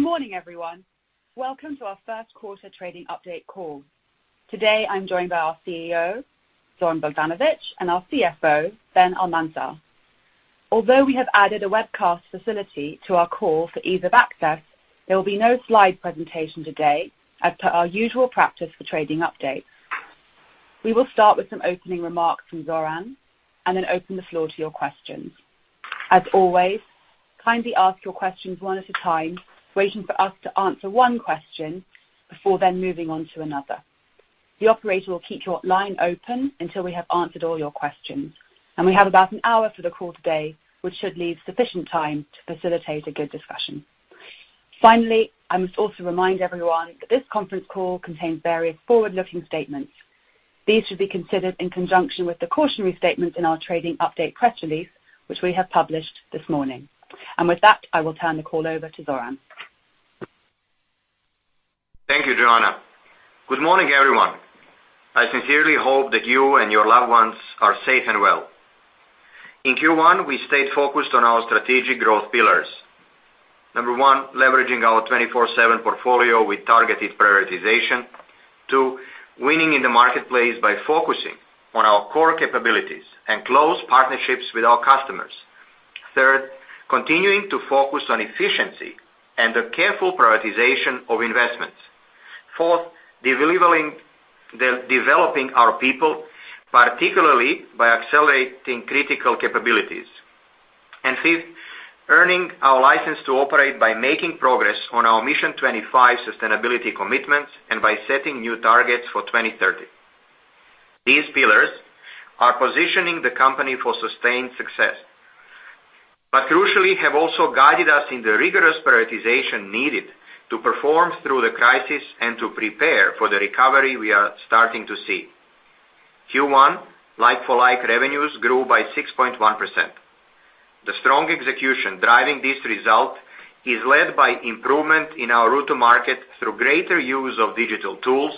Good morning, everyone. Welcome to our first quarter trading update call. Today, I'm joined by our CEO, Zoran Bogdanovic, and our CFO, Ben Almanzar. Although we have added a webcast facility to our call for ease of access, there will be no slide presentation today, as per our usual practice for trading updates. We will start with some opening remarks from Zoran, and then open the floor to your questions. As always, kindly ask your questions one at a time, waiting for us to answer one question before then moving on to another. The operator will keep your line open until we have answered all your questions, and we have about an hour for the call today, which should leave sufficient time to facilitate a good discussion. Finally, I must also remind everyone that this conference call contains various forward-looking statements. These should be considered in conjunction with the cautionary statements in our trading update press release, which we have published this morning. And with that, I will turn the call over to Zoran. Thank you, Joanna. Good morning, everyone. I sincerely hope that you and your loved ones are safe and well. In Q1, we stayed focused on our strategic growth pillars. Number one, leveraging our 24/7 portfolio with targeted prioritization. Two, winning in the marketplace by focusing on our core capabilities and close partnerships with our customers. Third, continuing to focus on efficiency and the careful prioritization of investments. Fourth, developing our people, particularly by accelerating critical capabilities. And fifth, earning our license to operate by making progress on our Mission 25 sustainability commitments and by setting new targets for 2030. These pillars are positioning the company for sustained success, but crucially, have also guided us in the rigorous prioritization needed to perform through the crisis and to prepare for the recovery we are starting to see. Q1, like-for-like revenues grew by 6.1%. The strong execution driving this result is led by improvement in our route to market through greater use of digital tools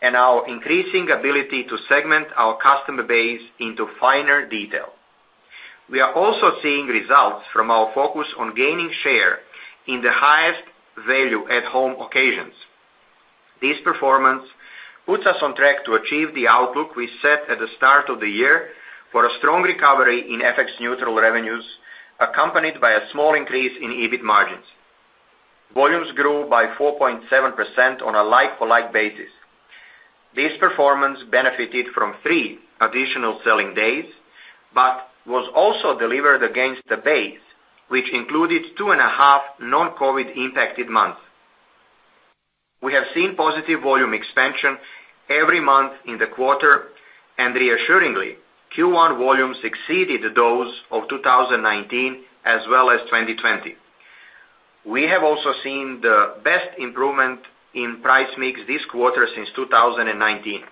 and our increasing ability to segment our customer base into finer detail. We are also seeing results from our focus on gaining share in the highest value-at-home occasions. This performance puts us on track to achieve the outlook we set at the start of the year for a strong recovery in FX-neutral revenues, accompanied by a small increase in EBIT margins. Volumes grew by 4.7% on a like-for-like basis. This performance benefited from three additional selling days, but was also delivered against the base, which included two and a half non-COVID-impacted months. We have seen positive volume expansion every month in the quarter, and reassuringly, Q1 volume exceeded those of 2019 as well as 2020. We have also seen the best improvement in price mix this quarter since 2019.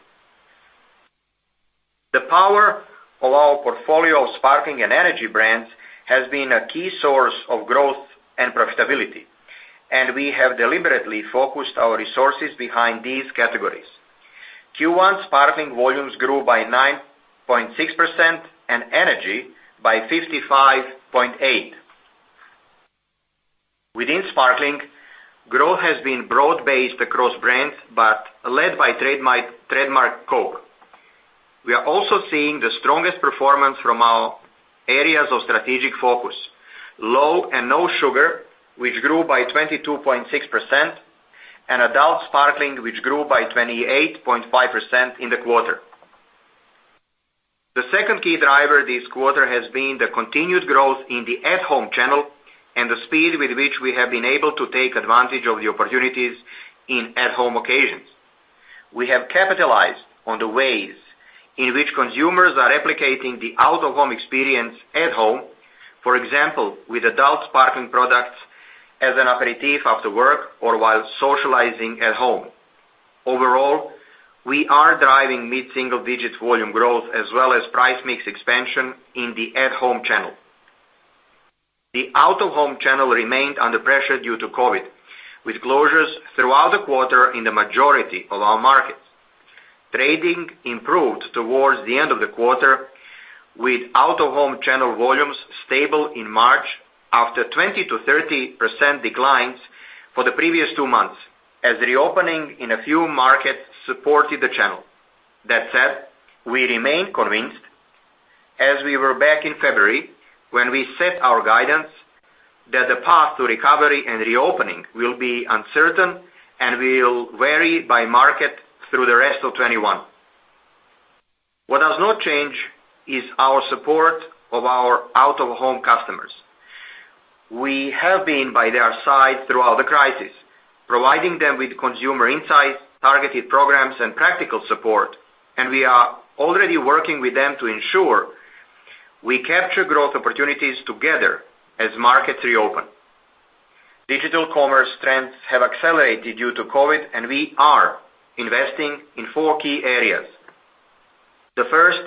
The power of our portfolio of sparkling and energy brands has been a key source of growth and profitability, and we have deliberately focused our resources behind these categories. Q1 sparkling volumes grew by 9.6% and energy by 55.8%. Within sparkling, growth has been broad-based across brands, but led by Trademark Coke. We are also seeing the strongest performance from our areas of strategic focus: low and no sugar, which grew by 22.6%, and adult sparkling, which grew by 28.5% in the quarter. The second key driver this quarter has been the continued growth in the at-home channel and the speed with which we have been able to take advantage of the opportunities in at-home occasions. We have capitalized on the ways in which consumers are replicating the out-of-home experience at-home, for example, with adult sparkling products as an aperitif after work or while socializing at-home. Overall, we are driving mid-single-digit volume growth as well as price mix expansion in the at-home channel. The out-of-home channel remained under pressure due to COVID, with closures throughout the quarter in the majority of our markets. Trading improved towards the end of the quarter, with out-of-home channel volumes stable in March after 20%-30% declines for the previous two months, as reopening in a few markets supported the channel. That said, we remain convinced, as we were back in February when we set our guidance, that the path to recovery and reopening will be uncertain and will vary by market through the rest of 2021. What does not change is our support of our out-of-home customers. We have been by their side throughout the crisis, providing them with consumer insights, targeted programs, and practical support, and we are already working with them to ensure we capture growth opportunities together as markets reopen. Digital commerce trends have accelerated due to COVID, and we are investing in four key areas. The first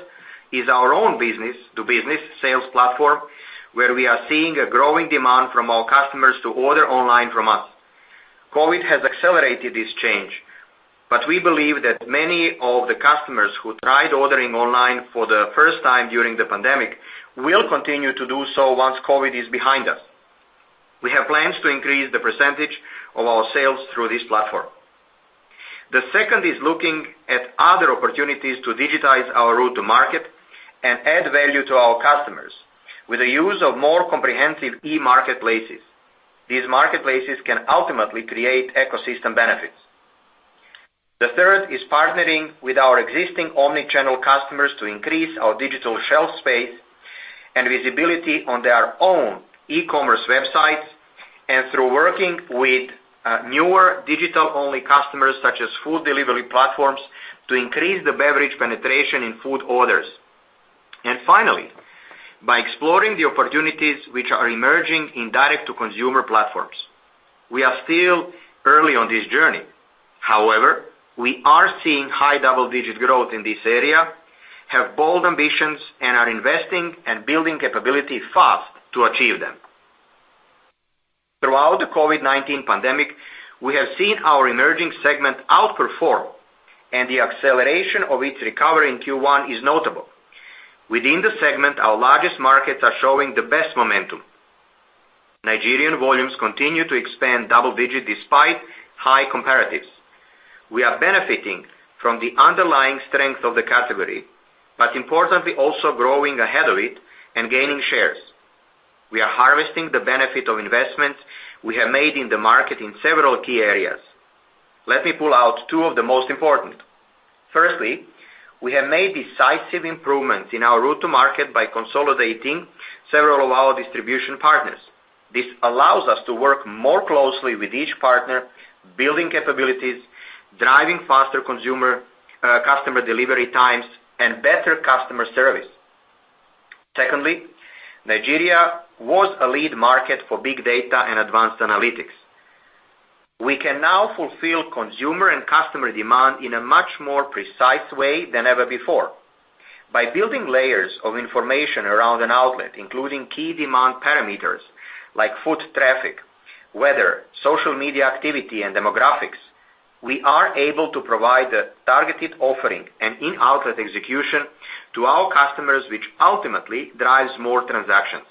is our own business-to-business sales platform, where we are seeing a growing demand from our customers to order online from us. COVID has accelerated this change, but we believe that many of the customers who tried ordering online for the first time during the pandemic will continue to do so once COVID is behind us. We have plans to increase the percentage of our sales through this platform. The second is looking at other opportunities to digitize our route to market and add value to our customers with the use of more comprehensive e-marketplaces. These marketplaces can ultimately create ecosystem benefits. The third is partnering with our existing omnichannel customers to increase our digital shelf space and visibility on their own e-commerce websites and through working with newer digital-only customers, such as food delivery platforms, to increase the beverage penetration in food orders, and finally, by exploring the opportunities which are emerging in direct-to-consumer platforms. We are still early on this journey. However, we are seeing high double-digit growth in this area, have bold ambitions, and are investing and building capability fast to achieve them. Throughout the COVID-19 pandemic, we have seen our emerging segment outperform, and the acceleration of its recovery in Q1 is notable. Within the segment, our largest markets are showing the best momentum. Nigerian volumes continue to expand double-digit despite high comparatives. We are benefiting from the underlying strength of the category, but importantly, also growing ahead of it and gaining shares. We are harvesting the benefit of investments we have made in the market in several key areas. Let me pull out two of the most important. Firstly, we have made decisive improvements in our route to market by consolidating several of our distribution partners. This allows us to work more closely with each partner, building capabilities, driving faster customer delivery times, and better customer service. Secondly, Nigeria was a lead market for big data and advanced analytics. We can now fulfill consumer and customer demand in a much more precise way than ever before. By building layers of information around an outlet, including key demand parameters like foot traffic, weather, social media activity, and demographics, we are able to provide the targeted offering and in-outlet execution to our customers, which ultimately drives more transactions.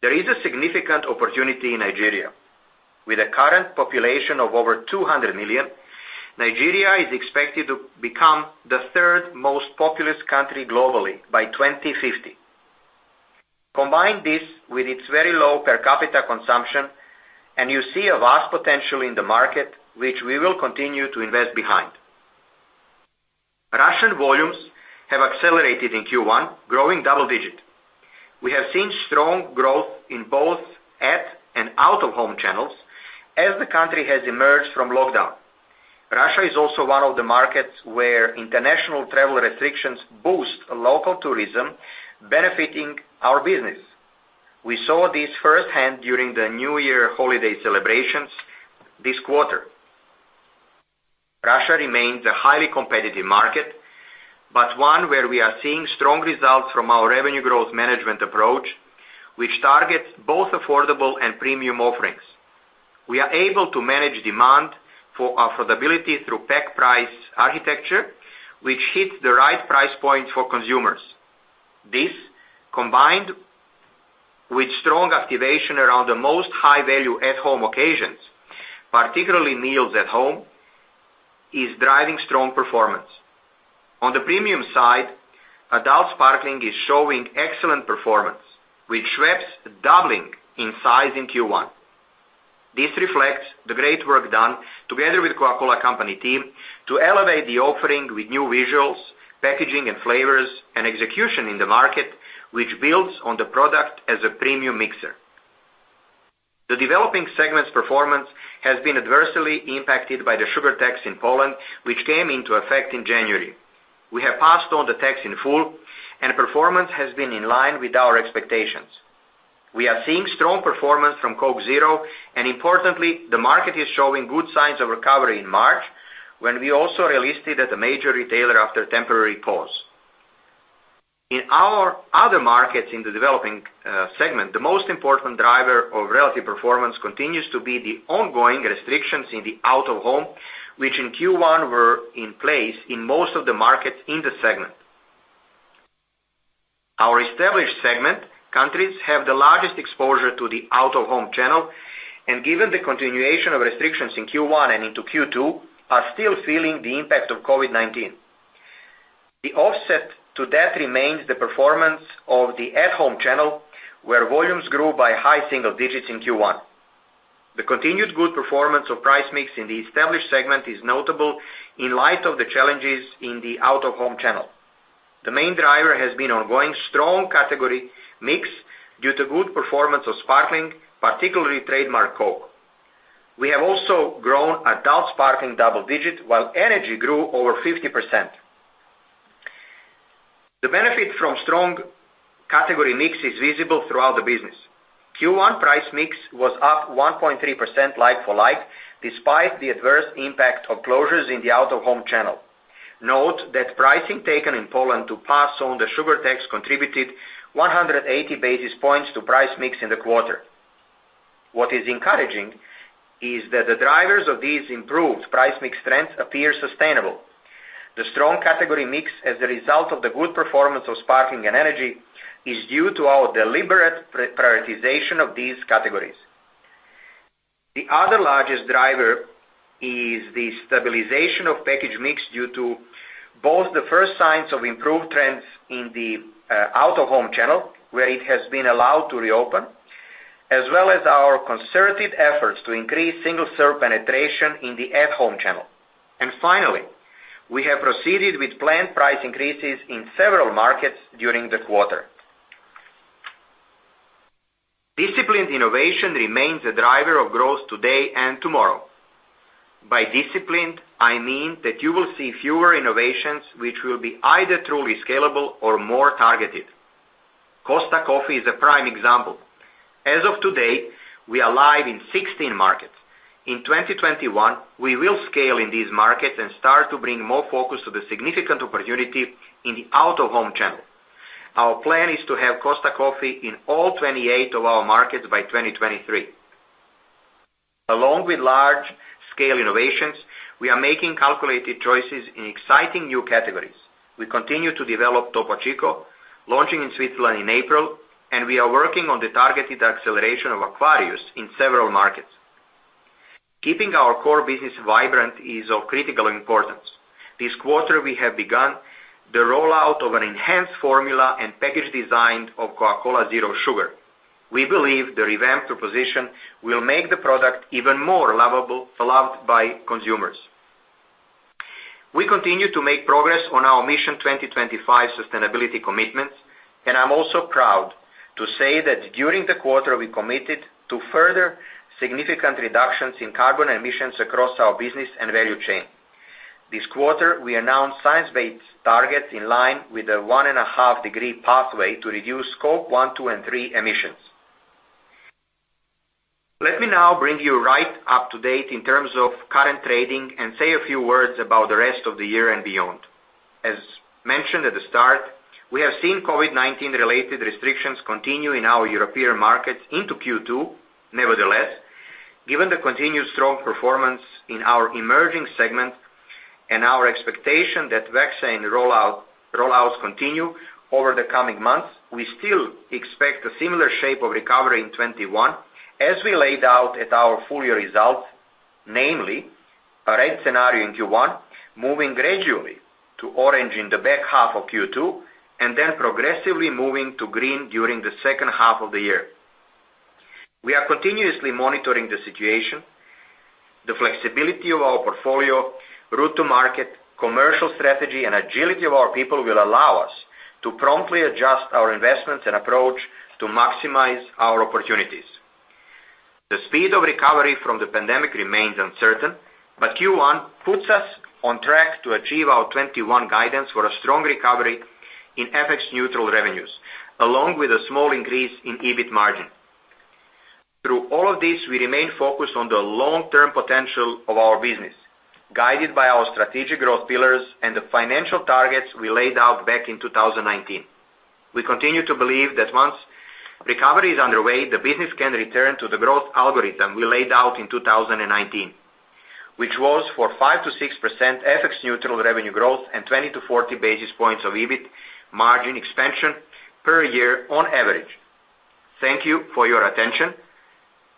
There is a significant opportunity in Nigeria. With a current population of over 200 million, Nigeria is expected to become the third most populous country globally by 2050. Combine this with its very low per capita consumption, and you see a vast potential in the market, which we will continue to invest behind. Russian volumes have accelerated in Q1, growing double-digit. We have seen strong growth in both at and out-of-home channels as the country has emerged from lockdown. Russia is also one of the markets where international travel restrictions boost local tourism, benefiting our business. We saw this firsthand during the New Year holiday celebrations this quarter. Russia remains a highly competitive market, but one where we are seeing strong results from our revenue growth management approach, which targets both affordable and premium offerings. We are able to manage demand for affordability through pack price architecture, which hits the right price point for consumers. This, combined with strong activation around the most high-value at-home occasions, particularly meals at-home, is driving strong performance. On the premium side, adult sparkling is showing excellent performance, with Schweppes doubling in size in Q1. This reflects the great work done together with the Coca-Cola Company team to elevate the offering with new visuals, packaging, and flavors, and execution in the market, which builds on the product as a premium mixer. The developing segment's performance has been adversely impacted by the sugar tax in Poland, which came into effect in January. We have passed on the tax in full, and performance has been in line with our expectations. We are seeing strong performance from Coke Zero, and importantly, the market is showing good signs of recovery in March, when we also released it at a major retailer after a temporary pause. In our other markets in the developing segment, the most important driver of relative performance continues to be the ongoing restrictions in the out-of-home, which in Q1 were in place in most of the markets in the segment. Our established segment countries have the largest exposure to the out-of-home channel, and given the continuation of restrictions in Q1 and into Q2, are still feeling the impact of COVID-19. The offset to that remains the performance of the at-home channel, where volumes grew by high single digits in Q1. The continued good performance of price mix in the established segment is notable in light of the challenges in the out-of-home channel. The main driver has been ongoing strong category mix due to good performance of sparkling, particularly Trademark Coke. We have also grown adult sparkling double-digit, while energy grew over 50%. The benefit from strong category mix is visible throughout the business. Q1 price mix was up 1.3% like-for-like, despite the adverse impact of closures in the out-of-home channel. Note that pricing taken in Poland to pass on the sugar tax contributed 180 basis points to price mix in the quarter. What is encouraging is that the drivers of these improved price mix trends appear sustainable. The strong category mix, as a result of the good performance of sparkling and energy, is due to our deliberate prioritization of these categories. The other largest driver is the stabilization of package mix due to both the first signs of improved trends in the out-of-home channel, where it has been allowed to reopen, as well as our concerted efforts to increase single-serve penetration in the at-home channel, and finally, we have proceeded with planned price increases in several markets during the quarter. Disciplined innovation remains a driver of growth today and tomorrow. By disciplined, I mean that you will see fewer innovations which will be either truly scalable or more targeted. Costa Coffee is a prime example. As of today, we are live in 16 markets. In 2021, we will scale in these markets and start to bring more focus to the significant opportunity in the out-of-home channel. Our plan is to have Costa Coffee in all 28 of our markets by 2023. Along with large-scale innovations, we are making calculated choices in exciting new categories. We continue to develop Topo Chico, launching in Switzerland in April, and we are working on the targeted acceleration of Aquarius in several markets. Keeping our core business vibrant is of critical importance. This quarter, we have begun the rollout of an enhanced formula and package design of Coca-Cola Zero Sugar. We believe the revamped proposition will make the product even more lovable, loved by consumers. We continue to make progress on our Mission 2025 sustainability commitments, and I'm also proud to say that during the quarter, we committed to further significant reductions in carbon emissions across our business and value chain. This quarter, we announced science-based targets in line with the one-and-a-half-degree pathway to reduce Scope 1, 2, and 3 emissions. Let me now bring you right up to date in terms of current trading and say a few words about the rest of the year and beyond. As mentioned at the start, we have seen COVID-19-related restrictions continue in our European markets into Q2. Nevertheless, given the continued strong performance in our emerging segment and our expectation that vaccine rollouts continue over the coming months, we still expect a similar shape of recovery in 2021, as we laid out at our full-year result, namely a red scenario in Q1, moving gradually to orange in the back half of Q2, and then progressively moving to green during the second half of the year. We are continuously monitoring the situation. The flexibility of our portfolio, route to market, commercial strategy, and agility of our people will allow us to promptly adjust our investments and approach to maximize our opportunities. The speed of recovery from the pandemic remains uncertain, but Q1 puts us on track to achieve our 2021 guidance for a strong recovery in FX-neutral revenues, along with a small increase in EBIT margin. Through all of this, we remain focused on the long-term potential of our business, guided by our strategic growth pillars and the financial targets we laid out back in 2019. We continue to believe that once recovery is underway, the business can return to the growth algorithm we laid out in 2019, which was for 5%-6% FX-neutral revenue growth and 20 to 40 basis points of EBIT margin expansion per year on average. Thank you for your attention.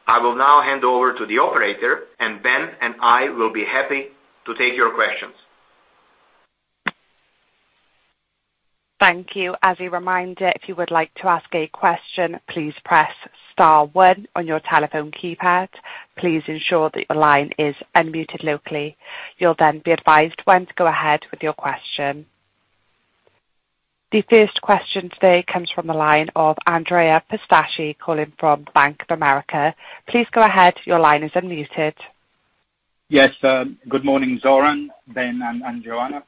I will now hand over to the operator, and Ben and I will be happy to take your questions. Thank you. As a reminder, if you would like to ask a question, please press star one on your telephone keypad. Please ensure that your line is unmuted locally. You'll then be advised when to go ahead with your question. The first question today comes from the line of Andrea Pistacchi calling from Bank of America. Please go ahead. Your line is unmuted. Yes. Good morning, Zoran, Ben, and Joanna.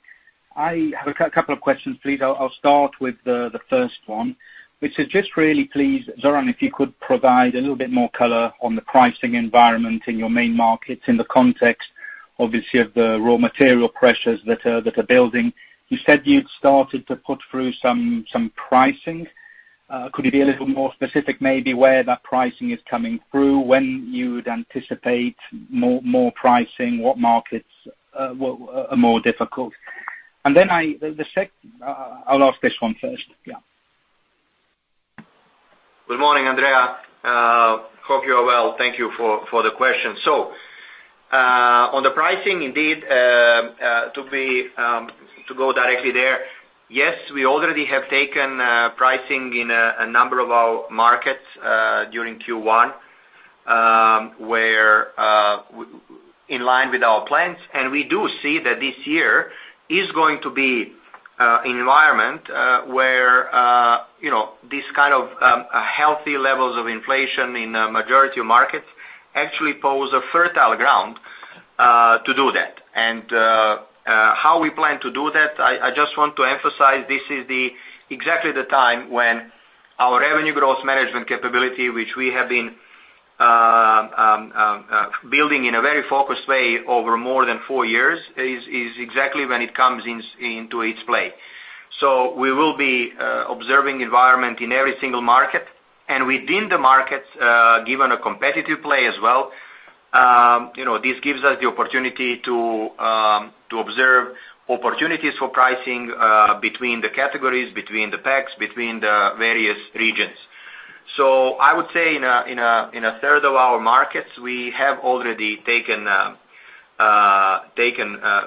I have a couple of questions, please. I'll start with the first one, which is just really, please, Zoran, if you could provide a little bit more color on the pricing environment in your main markets in the context, obviously, of the raw material pressures that are building. You said you'd started to put through some pricing. Could you be a little more specific, maybe, where that pricing is coming through? When you'd anticipate more pricing? What markets are more difficult? And then I'll ask this one first. Yeah. Good morning, Andrea. Hope you are well. Thank you for the question. So on the pricing, indeed, to go directly there, yes, we already have taken pricing in a number of our markets during Q1, in line with our plans. And we do see that this year is going to be an environment where these kind of healthy levels of inflation in a majority of markets actually pose a fertile ground to do that. And how we plan to do that, I just want to emphasize this is exactly the time when our revenue growth management capability, which we have been building in a very focused way over more than four years, is exactly when it comes into its play. So we will be observing the environment in every single market. And within the markets, given a competitive play as well, this gives us the opportunity to observe opportunities for pricing between the categories, between the packs, between the various regions. So I would say in a third of our markets, we have already taken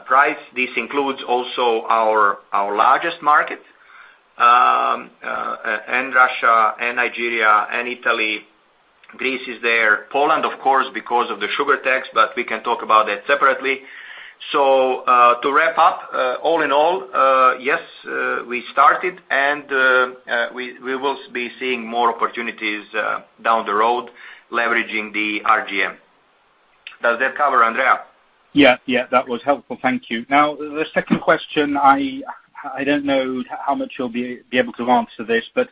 price. This includes also our largest market, and Russia, and Nigeria, and Italy. Greece is there. Poland, of course, because of the sugar tax, but we can talk about that separately. So to wrap up, all in all, yes, we started, and we will be seeing more opportunities down the road leveraging the RGM. Does that cover, Andrea? Yeah. Yeah. That was helpful. Thank you. Now, the second question, I don't know how much you'll be able to answer this, but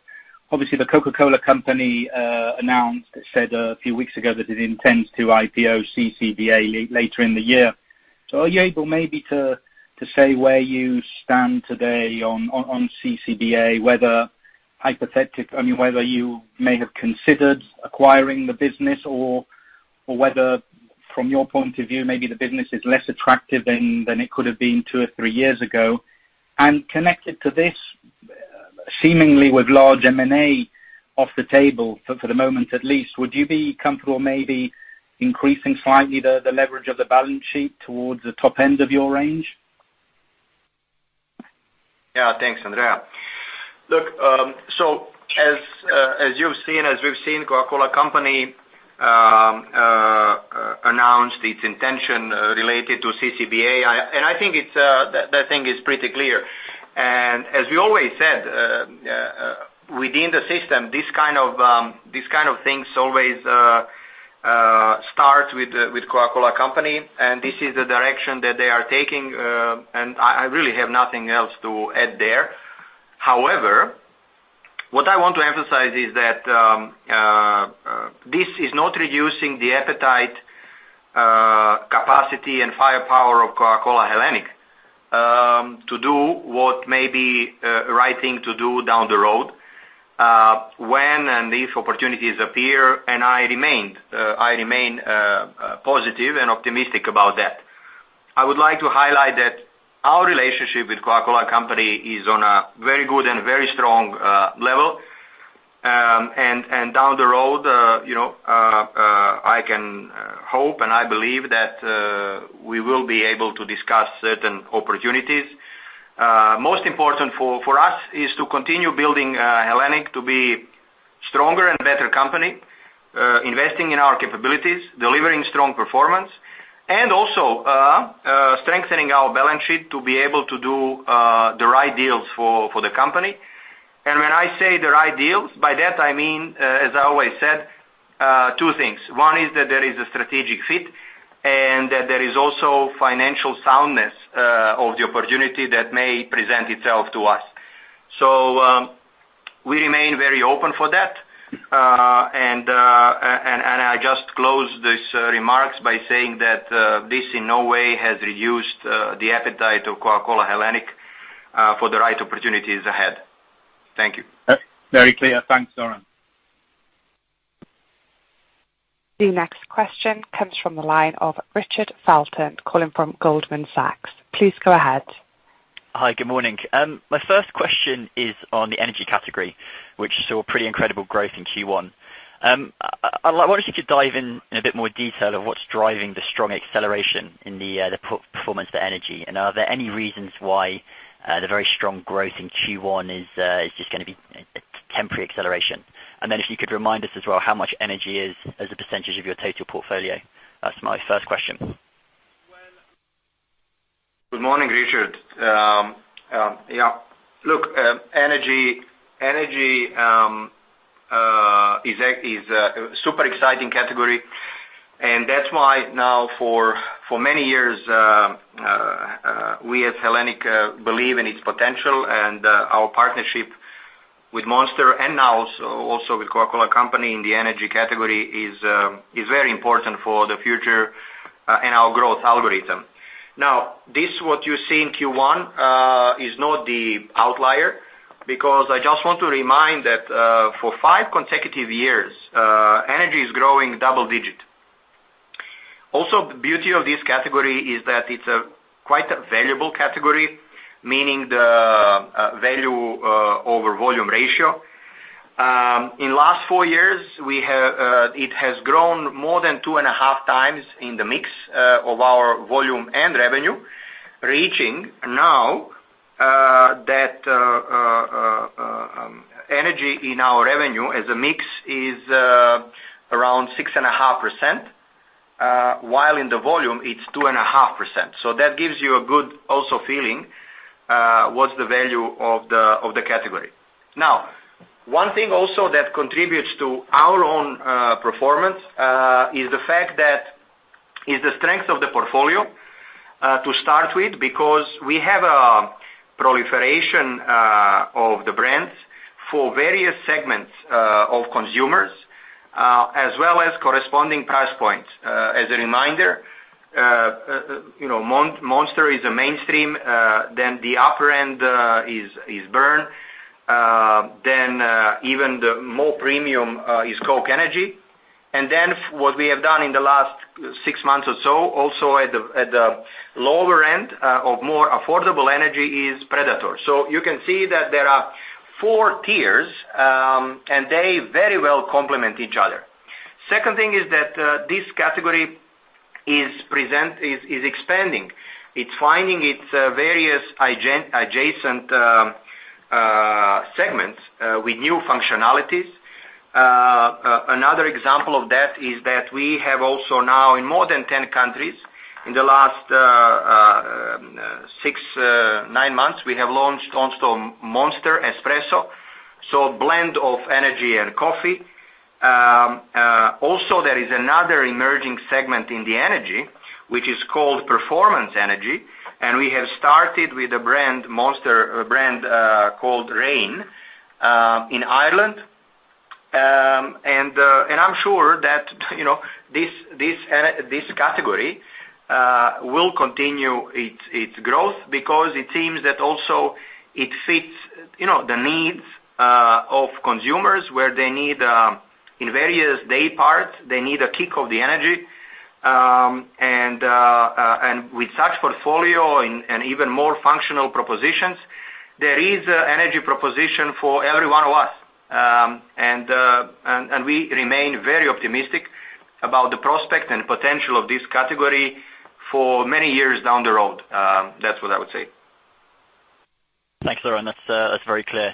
obviously, the Coca-Cola Company announced, said a few weeks ago that it intends to IPO CCBA later in the year. So are you able maybe to say where you stand today on CCBA, whether hypothetically, I mean, whether you may have considered acquiring the business, or whether, from your point of view, maybe the business is less attractive than it could have been two or three years ago? And connected to this, seemingly with large M&A off the table for the moment at least, would you be comfortable maybe increasing slightly the leverage of the balance sheet towards the top end of your range? Yeah. Thanks, Andrea. Look, so as you've seen, as we've seen, Coca-Cola Company announced its intention related to CCBA. And I think that thing is pretty clear. And as we always said, within the system, this kind of thing always starts with Coca-Cola Company. And this is the direction that they are taking. And I really have nothing else to add there. However, what I want to emphasize is that this is not reducing the appetite, capacity, and firepower of Coca-Cola HBC to do what may be the right thing to do down the road when and if opportunities appear. And I remain positive and optimistic about that. I would like to highlight that our relationship with Coca-Cola Company is on a very good and very strong level. And down the road, I can hope and I believe that we will be able to discuss certain opportunities. Most important for us is to continue building HBC to be a stronger and better company, investing in our capabilities, delivering strong performance, and also strengthening our balance sheet to be able to do the right deals for the company. And when I say the right deals, by that I mean, as I always said, two things. One is that there is a strategic fit and that there is also financial soundness of the opportunity that may present itself to us. So we remain very open for that. And I just close these remarks by saying that this in no way has reduced the appetite of Coca-Cola HBC for the right opportunities ahead. Thank you. Very clear. Thanks, Zoran. The next question comes from the line of Richard Felton calling from Goldman Sachs. Please go ahead. Hi. Good morning. My first question is on the energy category, which saw pretty incredible growth in Q1. I wanted you to dive in a bit more detail of what's driving the strong acceleration in the performance of energy. And are there any reasons why the very strong growth in Q1 is just going to be a temporary acceleration? And then if you could remind us as well how much energy is as a percentage of your total portfolio. That's my first question. Well, good morning, Richard. Yeah. Look, energy is a super exciting category. And that's why now for many years, we at Hellenic believe in its potential. And our partnership with Monster and now also with Coca-Cola Company in the energy category is very important for the future and our growth algorithm. Now, this, what you see in Q1, is not the outlier because I just want to remind that for five consecutive years, energy is growing double-digit. Also, the beauty of this category is that it's quite a valuable category, meaning the value over volume ratio. In the last four years, it has grown more than two and a half times in the mix of our volume and revenue, reaching now that energy in our revenue as a mix is around 6.5%, while in the volume, it's 2.5%. So that gives you a good also feeling what's the value of the category. Now, one thing also that contributes to our own performance is the fact that it's the strength of the portfolio to start with because we have a proliferation of the brands for various segments of consumers, as well as corresponding price points. As a reminder, Monster is a mainstream. Then the upper end is Burn. Then even the more premium is Coke Energy. And then what we have done in the last six months or so, also at the lower end of more affordable energy is Predator. So you can see that there are four tiers, and they very well complement each other. Second thing is that this category is expanding. It's finding its various adjacent segments with new functionalities. Another example of that is that we have also now, in more than 10 countries, in the last six, nine months, we have launched Monster Espresso. So a blend of energy and coffee. Also, there is another emerging segment in the energy, which is called performance energy. And we have started with a brand called Reign in Ireland. And I'm sure that this category will continue its growth because it seems that also it fits the needs of consumers where they need in various day parts, they need a kick of the energy. And with such portfolio and even more functional propositions, there is an energy proposition for every one of us. And we remain very optimistic about the prospect and potential of this category for many years down the road. That's what I would say. Thanks, Zoran. That's very clear.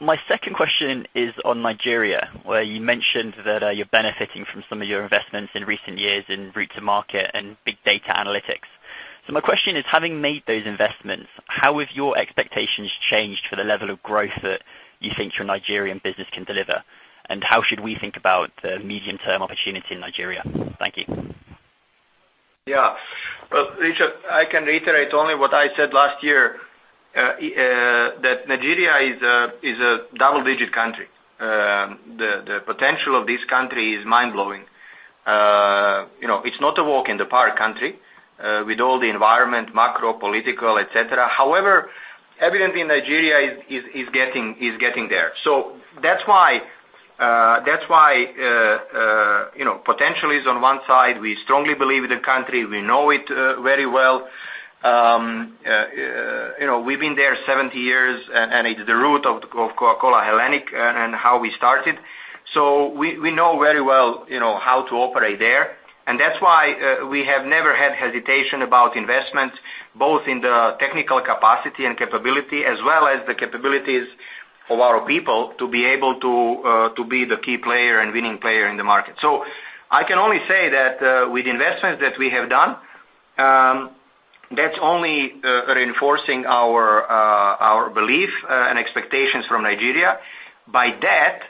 My second question is on Nigeria, where you mentioned that you're benefiting from some of your investments in recent years in route to market and big data analytics. So my question is, having made those investments, how have your expectations changed for the level of growth that you think your Nigerian business can deliver? And how should we think about the medium-term opportunity in Nigeria? Thank you. Yeah, well, Richard, I can reiterate only what I said last year, that Nigeria is a double-digit country. The potential of this country is mind-blowing. It's not a walk-in-the-park country with all the environment, macro, political, etc. However, evidently, Nigeria is getting there, so that's why potential is on one side. We strongly believe in the country. We know it very well. We've been there 70 years, and it's the root of Coca-Cola Hellenic and how we started, so we know very well how to operate there. And that's why we have never had hesitation about investment, both in the technical capacity and capability, as well as the capabilities of our people to be able to be the key player and winning player in the market, so I can only say that with investments that we have done, that's only reinforcing our belief and expectations from Nigeria. By that,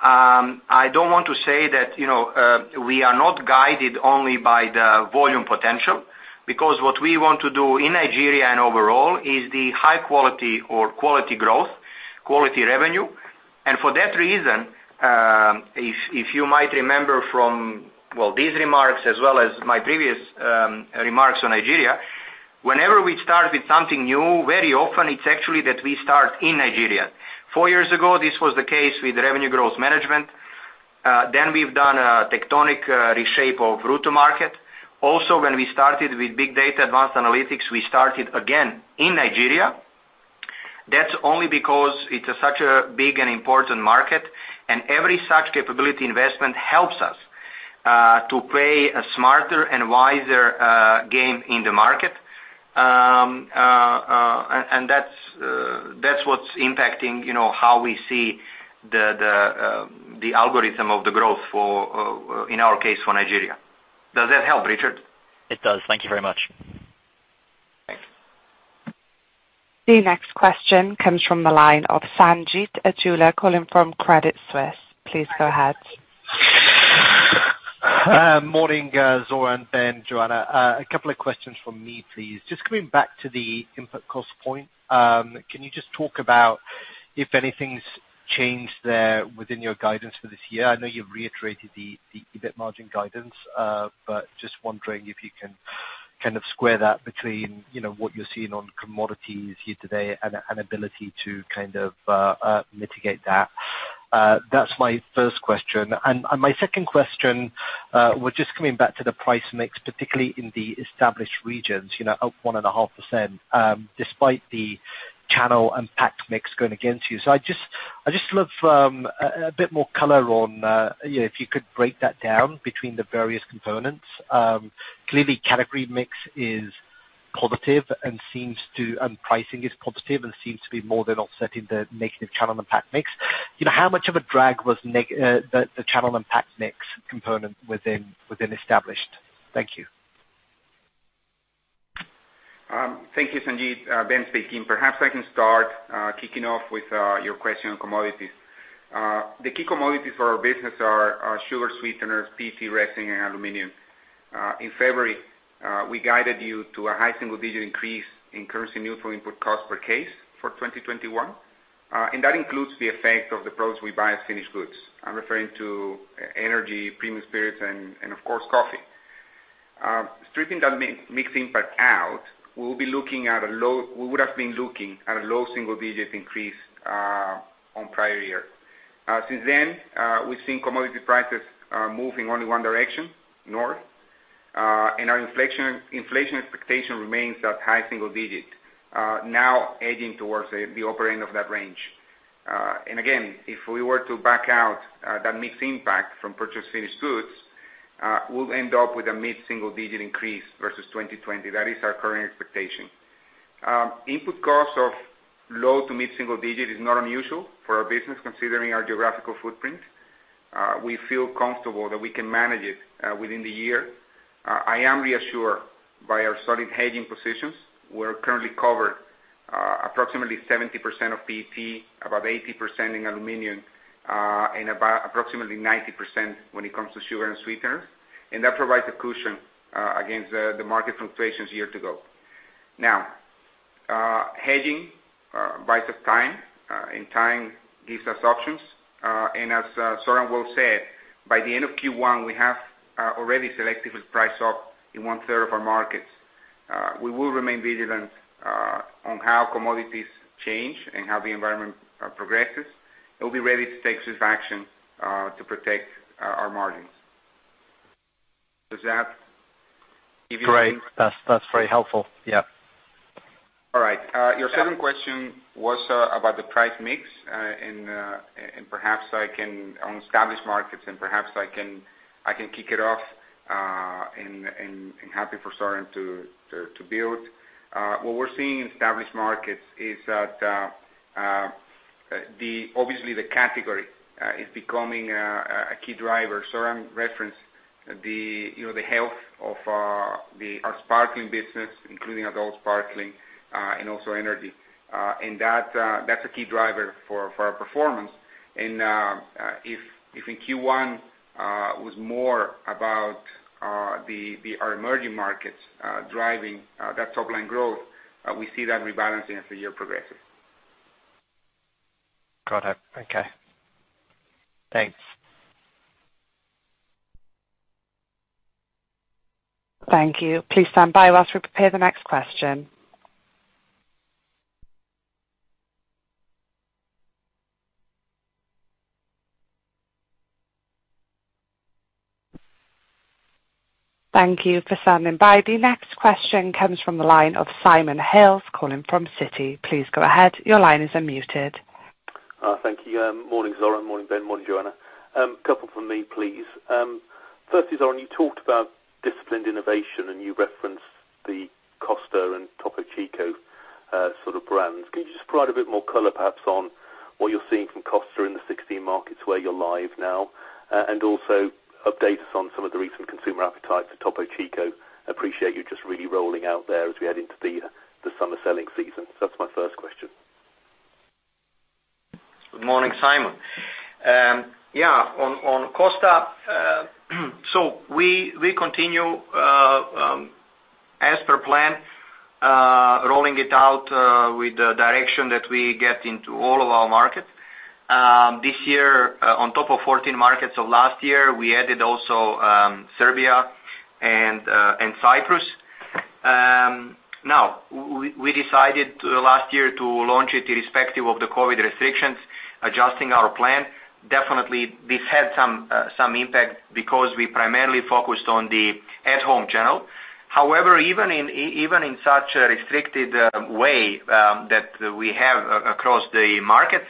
I don't want to say that we are not guided only by the volume potential because what we want to do in Nigeria and overall is the high quality or quality growth, quality revenue, and for that reason, if you might remember from, well, these remarks as well as my previous remarks on Nigeria, whenever we start with something new, very often it's actually that we start in Nigeria. Four years ago, this was the case with revenue growth management. Then we've done a tectonic reshape of route to market. Also, when we started with big data advanced analytics, we started again in Nigeria. That's only because it's such a big and important market, and that's what's impacting how we see the algorithm of the growth, in our case, for Nigeria. Does that help, Richard? It does. Thank you very much. Thank you. The next question comes from the line of Sanjeet Aujla calling from Credit Suisse. Please go ahead. Morning, Zoran and Joanna. A couple of questions from me, please. Just coming back to the input cost point, can you just talk about if anything's changed there within your guidance for this year? I know you've reiterated the EBIT margin guidance, but just wondering if you can kind of square that between what you're seeing on commodities hedged today and ability to kind of mitigate that. That's my first question. And my second question was just coming back to the price mix, particularly in the established regions, up 1.5% despite the channel and pack mix going against you. So I'd love a bit more color on if you could break that down between the various components. Clearly, category mix is positive and pricing is positive and seems to be more than offsetting the negative channel and pack mix. How much of a drag was the channel and pack mix component within established? Thank you. Thank you, Sanjeet, Ben speaking. Perhaps I can start kicking off with your question on commodities. The key commodities for our business are sugar sweeteners, PET resin, and aluminum. In February, we guided you to a high single-digit increase in currency neutral input cost per case for 2021. And that includes the effect of the products we buy as finished goods. I'm referring to energy, premium spirits, and of course, coffee. Stripping that mixed impact out, we'll be looking at a low single-digit increase on prior year. Since then, we've seen commodity prices moving only one direction, north. And our inflation expectation remains at high single-digit, now edging towards the upper end of that range. And again, if we were to back out that mixed impact from purchased finished goods, we'll end up with a mid-single-digit increase versus 2020. That is our current expectation. Input cost of low to mid-single-digit is not unusual for our business considering our geographical footprint. We feel comfortable that we can manage it within the year. I am reassured by our solid hedging positions. We're currently covered approximately 70% of PET, about 80% in aluminum, and about approximately 90% when it comes to sugar and sweeteners. And that provides a cushion against the market fluctuations year to go. Now, hedging buys us time. And time gives us options. And as Zoran well said, by the end of Q1, we have already selectively priced off in one-third of our markets. We will remain vigilant on how commodities change and how the environment progresses. We'll be ready to take swift action to protect our margins. Does that give you? Great. That's very helpful. Yeah. All right. Your second question was about the price mix. And perhaps I can kick it off and happy for Zoran to build. What we're seeing in established markets is that obviously the category is becoming a key driver. Zoran referenced the health of our sparkling business, including adult sparkling and also energy. And that's a key driver for our performance. And if in Q1 it was more about our emerging markets driving that top-line growth, we see that rebalancing as the year progresses. Got it. Okay. Thanks. Thank you. Please stand by whilst we prepare the next question. Thank you for standing by. The next question comes from the line of Simon Hales calling from Citi. Please go ahead. Your line is unmuted. Thank you. Morning, Zoran. Morning, Ben. Morning, Joanna. A couple from me, please. Firstly, Zoran, you talked about disciplined innovation, and you referenced the Costa and Topo Chico sort of brands. Can you just provide a bit more color, perhaps, on what you're seeing from Costa in the 16 markets where you're live now? And also update us on some of the recent consumer appetite for Topo Chico. Appreciate you just really rolling out there as we head into the summer selling season. So that's my first question. Good morning, Simon. Yeah, on Costa, so we continue as per plan, rolling it out with the direction that we get into all of our markets. This year, on top of 14 markets of last year, we added also Serbia and Cyprus. Now, we decided last year to launch it irrespective of the COVID restrictions, adjusting our plan. Definitely, this had some impact because we primarily focused on the at-home channel. However, even in such a restricted way that we have across the markets,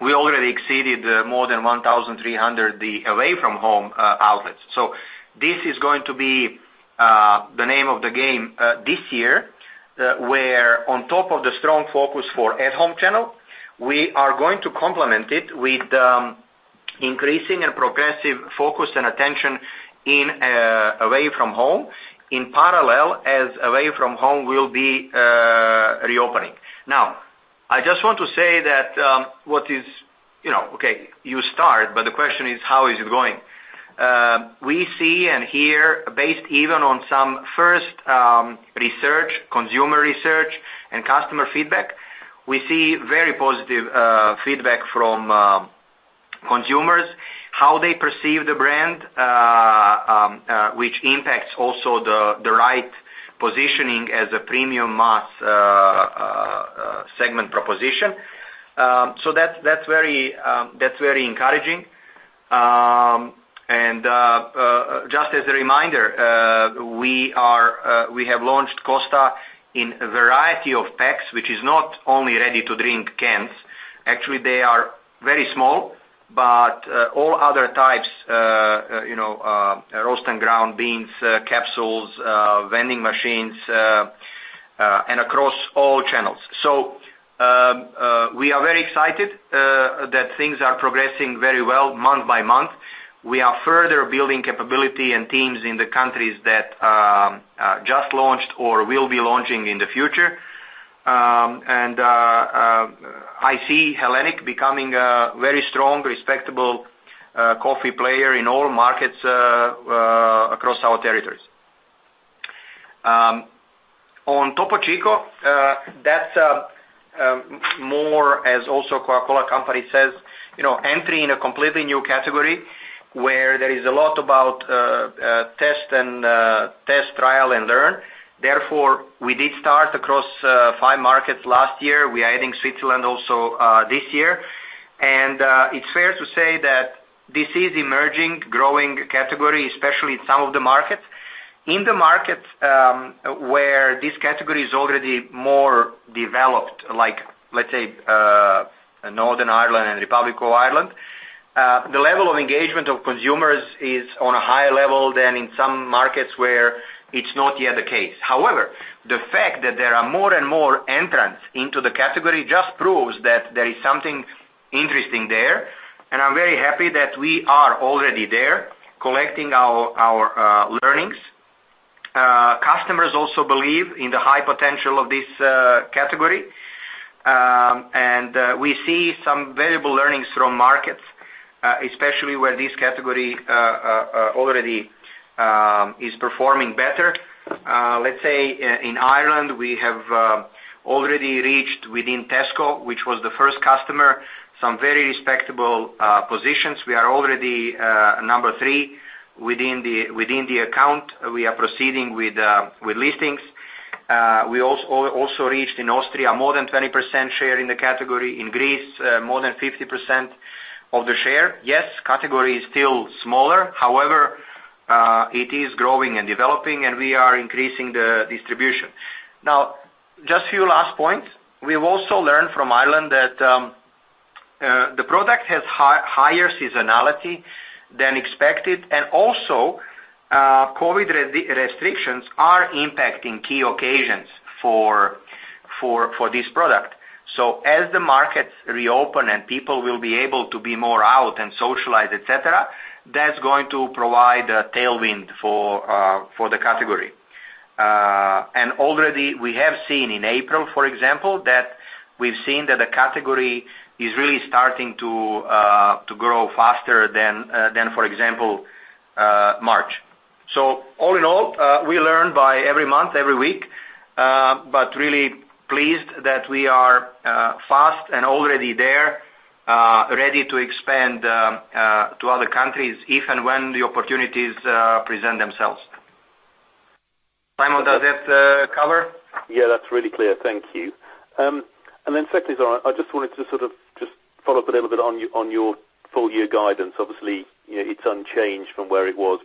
we already exceeded more than 1,300 away-from-home outlets. So this is going to be the name of the game this year, where on top of the strong focus for at-home channel, we are going to complement it with increasing and progressive focus and attention in away-from-home in parallel as away-from-home will be reopening. Now, I just want to say that what is okay, you start, but the question is, how is it going? We see and hear, based even on some first research, consumer research, and customer feedback, we see very positive feedback from consumers, how they perceive the brand, which impacts also the right positioning as a premium mass segment proposition. So that's very encouraging. And just as a reminder, we have launched Costa in a variety of packs, which is not only ready-to-drink cans. Actually, they are very small, but all other types, roast and ground beans, capsules, vending machines, and across all channels. So we are very excited that things are progressing very well month by month. We are further building capability and teams in the countries that just launched or will be launching in the future. I see Hellenic becoming a very strong, respectable coffee player in all markets across our territories. On Topo Chico, that's more as also Coca-Cola Company says, entry in a completely new category where there is a lot about test, trial and learn. Therefore, we did start across five markets last year. We are adding Switzerland also this year. It's fair to say that this is emerging, growing category, especially in some of the markets. In the markets where this category is already more developed, like let's say Northern Ireland and Republic of Ireland, the level of engagement of consumers is on a higher level than in some markets where it's not yet the case. However, the fact that there are more and more entrants into the category just proves that there is something interesting there. I'm very happy that we are already there collecting our learnings. Customers also believe in the high potential of this category. We see some valuable learnings from markets, especially where this category already is performing better. Let's say in Ireland, we have already reached within Tesco, which was the first customer, some very respectable positions. We are already number three within the account. We are proceeding with listings. We also reached in Austria more than 20% share in the category. In Greece, more than 50% of the share. Yes, category is still smaller. However, it is growing and developing, and we are increasing the distribution. Now, just a few last points. We've also learned from Ireland that the product has higher seasonality than expected. Also, COVID restrictions are impacting key occasions for this product. So as the markets reopen and people will be able to be more out and socialize, etc., that's going to provide a tailwind for the category. And already, we have seen in April, for example, that we've seen that the category is really starting to grow faster than, for example, March. So all in all, we learn by every month, every week, but really pleased that we are fast and already there, ready to expand to other countries if and when the opportunities present themselves. Simon, does that cover? Yeah, that's really clear. Thank you. And then secondly, Zoran, I just wanted to sort of just follow up a little bit on your full-year guidance. Obviously, it's unchanged from where it was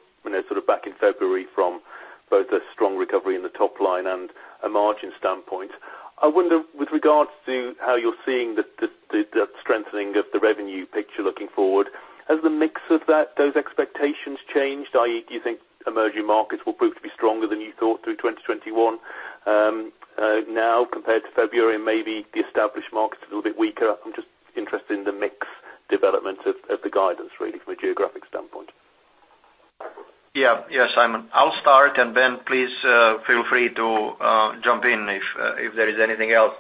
sort of back in February from both a strong recovery in the top line and a margin standpoint. I wonder, with regards to how you're seeing the strengthening of the revenue picture looking forward, has the mix of those expectations changed? Do you think emerging markets will prove to be stronger than you thought through 2021 now compared to February and maybe the established markets a little bit weaker? I'm just interested in the mix development of the guidance, really, from a geographic standpoint. Yeah. Yeah, Simon. I'll start, and Ben, please feel free to jump in if there is anything else.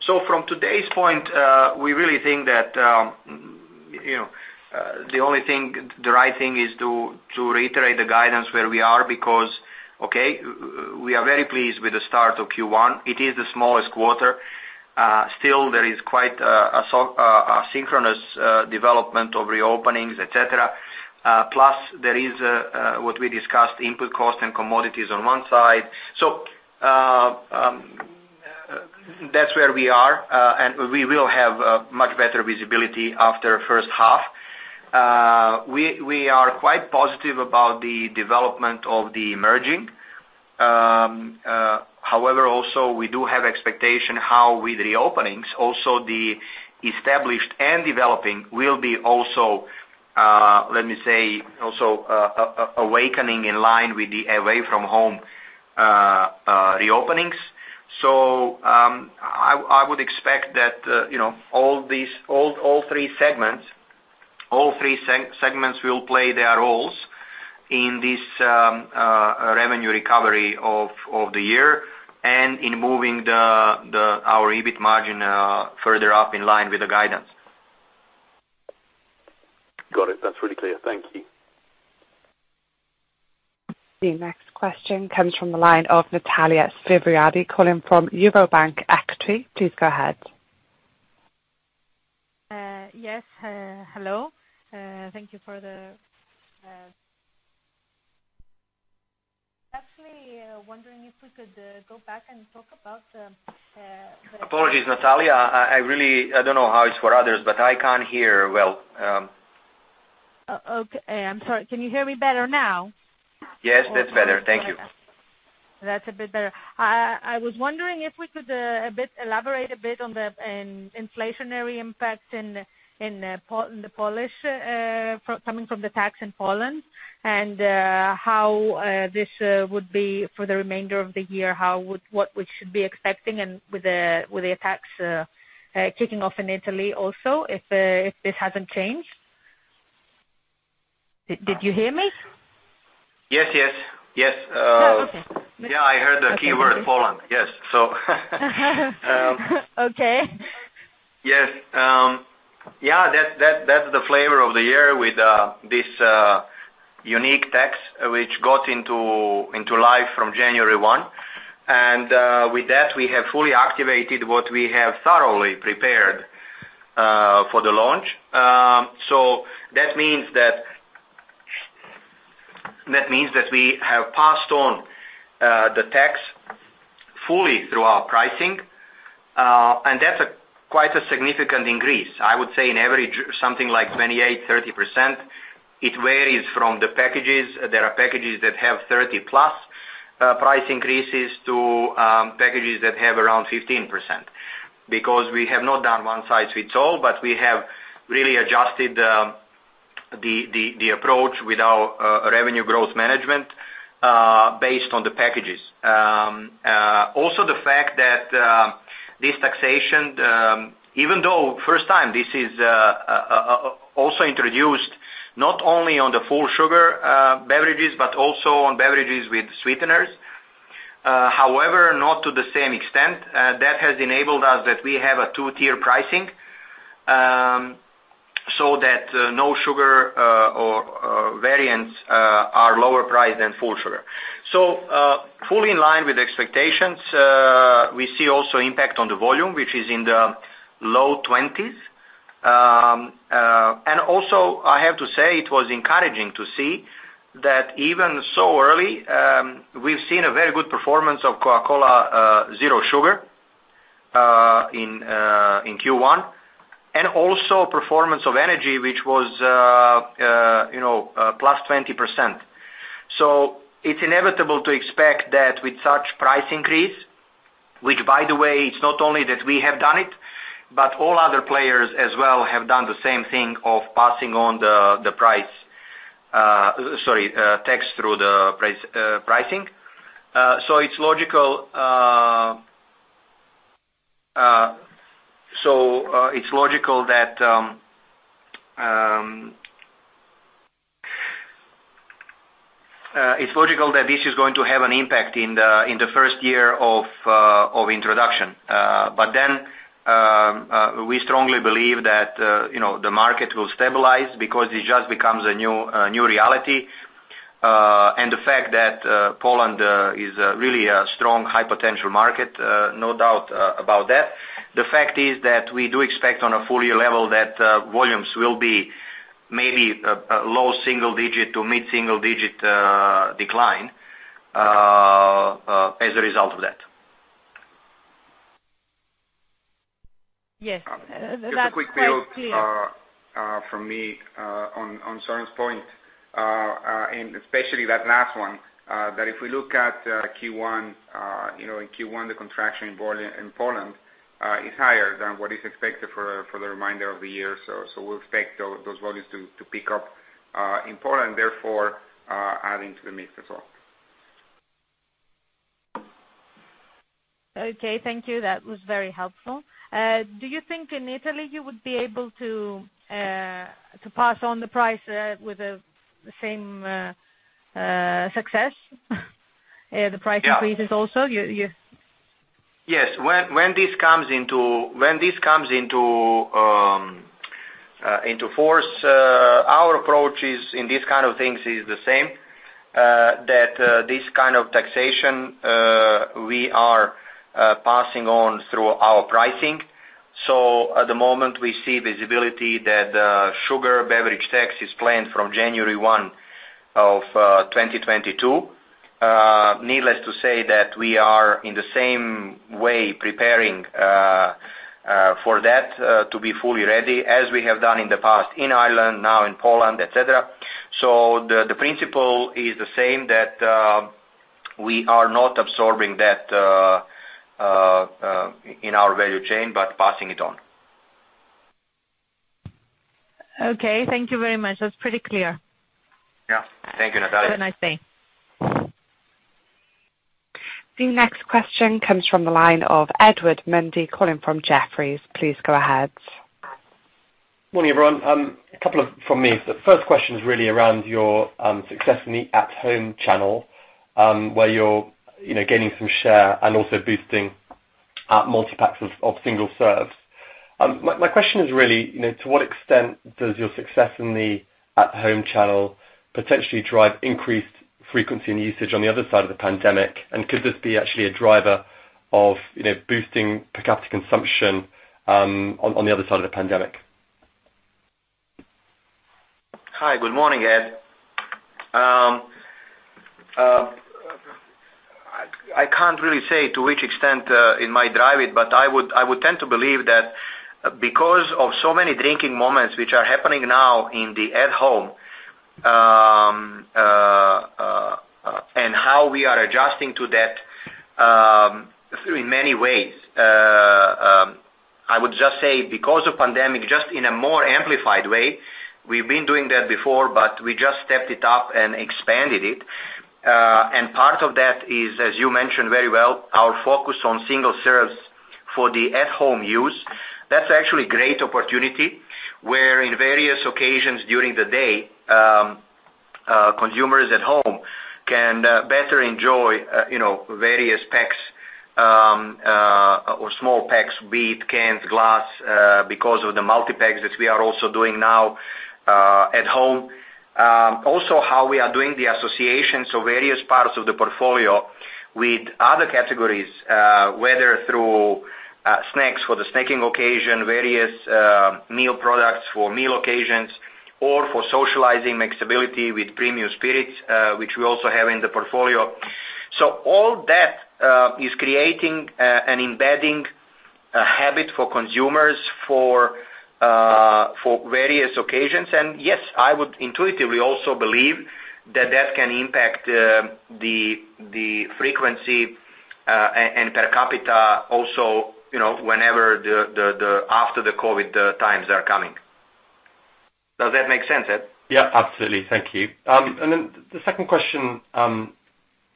So from today's point, we really think that the right thing is to reiterate the guidance where we are because, okay, we are very pleased with the start of Q1. It is the smallest quarter. Still, there is quite asynchronous development of reopenings, etc. Plus, there is what we discussed, input cost and commodities on one side. So that's where we are, and we will have much better visibility after first half. We are quite positive about the development of the emerging. However, also, we do have expectation how with reopenings, also the established and developing will be also, let me say, also awakening in line with the away-from-home reopenings. So I would expect that all three segments will play their roles in this revenue recovery of the year and in moving our EBIT margin further up in line with the guidance. Got it. That's really clear. Thank you. The next question comes from the line of Natalia Svyriadi calling from Eurobank Equities. Please go ahead. Yes. Hello. Thank you for that. Actually, wondering if we could go back and talk about the. Apologies, Natalia. I don't know how it's for others, but I can't hear well. Okay. I'm sorry. Can you hear me better now? Yes, that's better. Thank you. That's a bit better. I was wondering if we could elaborate a bit on the inflationary impact in Poland coming from the tax in Poland and how this would be for the remainder of the year, what we should be expecting with the tax kicking off in Italy also, if this hasn't changed. Did you hear me? Yes, yes. Yes. Oh, okay. Yeah, I heard the keyword Poland. Yes. So. Okay. Yes. Yeah, that's the flavor of the year with this unique tax which came into effect from January 1. And with that, we have fully activated what we have thoroughly prepared for the launch. So that means that we have passed on the tax fully through our pricing. And that's quite a significant increase. I would say on average, something like 28%-30%. It varies from the packages. There are packages that have 30-plus price increases to packages that have around 15% because we have not done one size fits all, but we have really adjusted the approach with our revenue growth management based on the packages. Also, the fact that this taxation, even though first time this is also introduced not only on the full sugar beverages, but also on beverages with sweeteners, however, not to the same extent, that has enabled us that we have a two-tier pricing so that no sugar or variants are lower priced than full sugar. So fully in line with expectations, we see also impact on the volume, which is in the low 20s. And also, I have to say it was encouraging to see that even so early, we've seen a very good performance of Coca-Cola Zero Sugar in Q1 and also performance of energy, which was plus 20%. So it's inevitable to expect that with such price increase, which, by the way, it's not only that we have done it, but all other players as well have done the same thing of passing on the price, sorry, tax, through the pricing. So it's logical that this is going to have an impact in the first year of introduction. But then we strongly believe that the market will stabilize because it just becomes a new reality. And the fact that Poland is really a strong high-potential market, no doubt about that. The fact is that we do expect on a full-year level that volumes will be maybe a low-single-digit to mid-single-digit decline as a result of that. Yes. That's very clear. Just a quick quote from me on Zoran's point, and especially that last one, that if we look at Q1, in Q1, the contraction in Poland is higher than what is expected for the remainder of the year. So we'll expect those volumes to pick up in Poland, therefore adding to the mix as well. Okay. Thank you. That was very helpful. Do you think in Italy you would be able to pass on the price with the same success, the price increases also? Yes. When this comes into force, our approach in these kind of things is the same, that this kind of taxation we are passing on through our pricing. So at the moment, we see visibility that the sugar beverage tax is planned from January 1 of 2022. Needless to say that we are in the same way preparing for that to be fully ready as we have done in the past in Ireland, now in Poland, etc. So the principle is the same that we are not absorbing that in our value chain, but passing it on. Okay. Thank you very much. That's pretty clear. Yeah. Thank you, Natalia. Have a nice day. The next question comes from the line of Edward Mundy calling from Jefferies. Please go ahead. Morning, everyone. A couple from me. The first question is really around your success in the at-home channel where you're gaining some share and also boosting multi-packs of single serves. My question is really, to what extent does your success in the at-home channel potentially drive increased frequency and usage on the other side of the pandemic, and could this be actually a driver of boosting per capita consumption on the other side of the pandemic? Hi. Good morning, Ed. I can't really say to which extent it might drive it, but I would tend to believe that because of so many drinking moments which are happening now in the at-home and how we are adjusting to that in many ways. I would just say because of pandemic, just in a more amplified way, we've been doing that before, but we just stepped it up and expanded it. And part of that is, as you mentioned very well, our focus on single serves for the at-home use. That's actually a great opportunity where in various occasions during the day, consumers at-home can better enjoy various packs or small packs, be it cans, glass, because of the multi-packs that we are also doing now at-home. Also, how we are doing the associations of various parts of the portfolio with other categories, whether through snacks for the snacking occasion, various meal products for meal occasions, or for socializing mixability with premium spirits, which we also have in the portfolio. So all that is creating an embedding habit for consumers for various occasions. And yes, I would intuitively also believe that that can impact the frequency and per capita also whenever after the COVID times are coming. Does that make sense, Ed? Yeah, absolutely. Thank you. And then the second question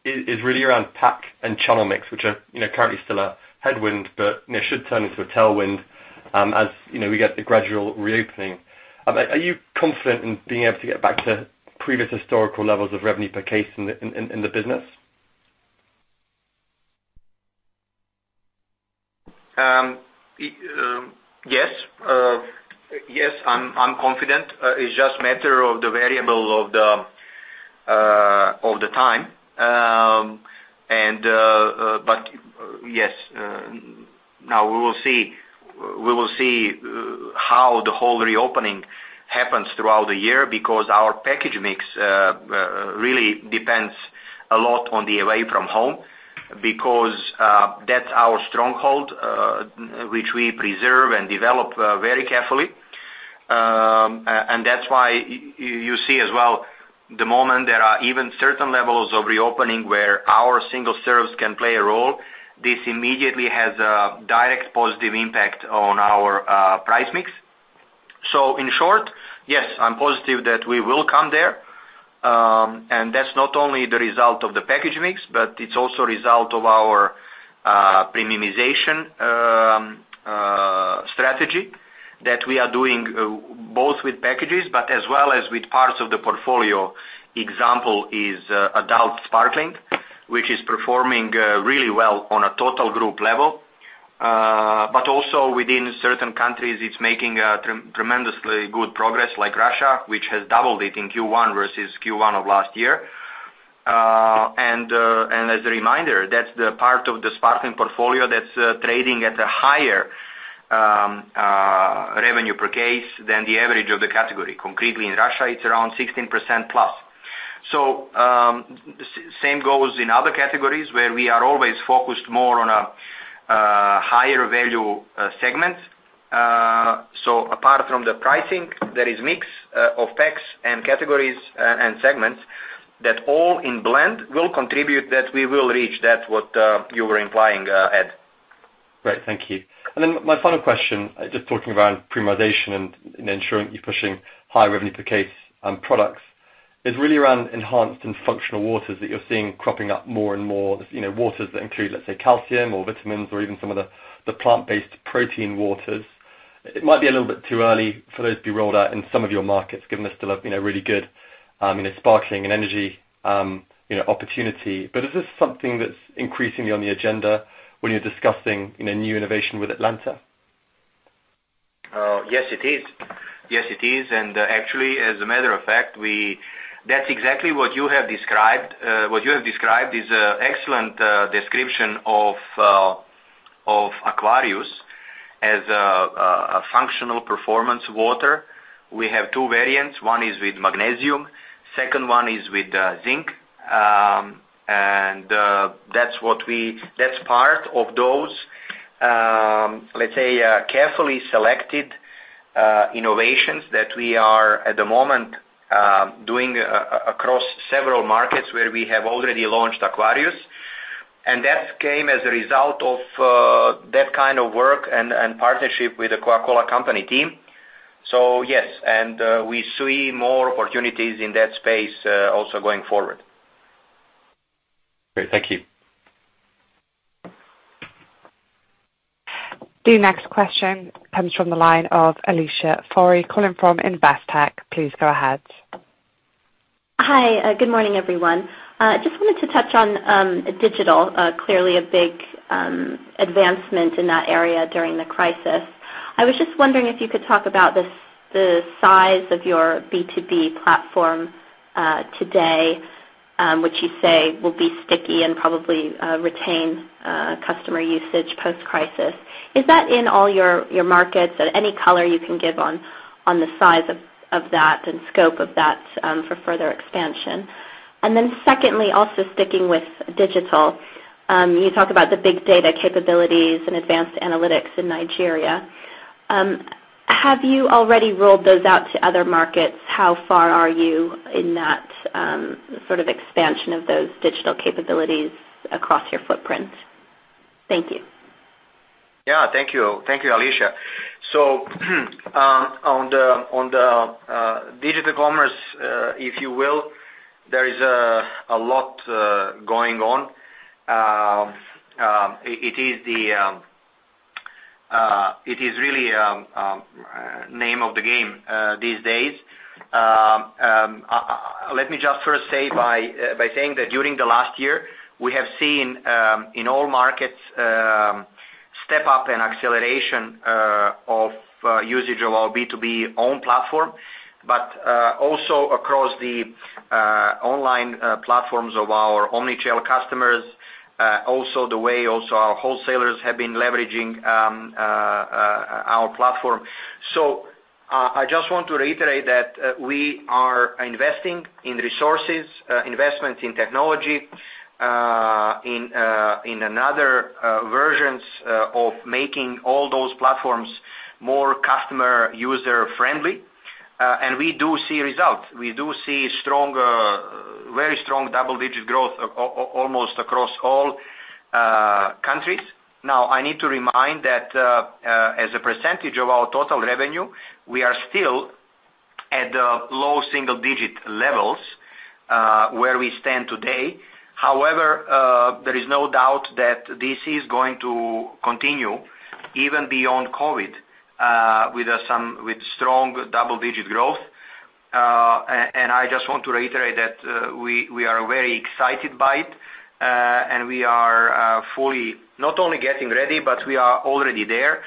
is really around pack and channel mix, which are currently still a headwind, but should turn into a tailwind as we get the gradual reopening. Are you confident in being able to get back to previous historical levels of revenue per case in the business? Yes. Yes, I'm confident. It's just a matter of the variable of the time. But yes, now we will see how the whole reopening happens throughout the year because our package mix really depends a lot on the away-from-home because that's our stronghold, which we preserve and develop very carefully. And that's why you see as well, the moment there are even certain levels of reopening where our single serves can play a role, this immediately has a direct positive impact on our price mix. So in short, yes, I'm positive that we will come there. And that's not only the result of the package mix, but it's also a result of our premiumization strategy that we are doing both with packages, but as well as with parts of the portfolio. Example is Adult Sparkling, which is performing really well on a total group level. But also within certain countries, it's making tremendously good progress, like Russia, which has doubled it in Q1 versus Q1 of last year. And as a reminder, that's the part of the Sparkling portfolio that's trading at a higher revenue per case than the average of the category. Concretely in Russia, it's around 16% plus. So same goes in other categories where we are always focused more on a higher value segment. So apart from the pricing, there is a mix of packs and categories and segments that all in blend will contribute that we will reach that what you were implying, Ed. Great. Thank you. And then my final question, just talking around premiumization and ensuring you're pushing high revenue per case products, is really around enhanced and functional waters that you're seeing cropping up more and more, waters that include, let's say, calcium or vitamins or even some of the plant-based protein waters. It might be a little bit too early for those to be rolled out in some of your markets, given there's still a really good sparkling and energy opportunity. But is this something that's increasingly on the agenda when you're discussing new innovation with Atlanta? Yes, it is. Yes, it is. And actually, as a matter of fact, that's exactly what you have described. What you have described is an excellent description of Aquarius as a functional performance water. We have two variants. One is with magnesium. Second one is with zinc. And that's part of those, let's say, carefully selected innovations that we are at the moment doing across several markets where we have already launched Aquarius. And that came as a result of that kind of work and partnership with the Coca-Cola Company team. So yes, and we see more opportunities in that space also going forward. Great. Thank you. The next question comes from the line of Alicia Forry calling from Investec. Please go ahead. Hi. Good morning, everyone. I just wanted to touch on digital, clearly a big advancement in that area during the crisis. I was just wondering if you could talk about the size of your B2B platform today, which you say will be sticky and probably retain customer usage post-crisis. Is that in all your markets? Any color you can give on the size of that and scope of that for further expansion? And then secondly, also sticking with digital, you talk about the big data capabilities and advanced analytics in Nigeria. Have you already rolled those out to other markets? How far are you in that sort of expansion of those digital capabilities across your footprint? Thank you. Yeah. Thank you, Alicia. So on the digital commerce, if you will, there is a lot going on. It is really the name of the game these days. Let me just first say by saying that during the last year, we have seen in all markets step-up and acceleration of usage of our B2B own platform, but also across the online platforms of our omnichannel customers, also the way our wholesalers have been leveraging our platform. So I just want to reiterate that we are investing in resources, investment in technology, in other versions of making all those platforms more customer user-friendly. And we do see results. We do see very strong double-digit growth almost across all countries. Now, I need to remind that as a percentage of our total revenue, we are still at the low single-digit levels where we stand today. However, there is no doubt that this is going to continue even beyond COVID with strong double-digit growth, and I just want to reiterate that we are very excited by it, and we are fully not only getting ready, but we are already there.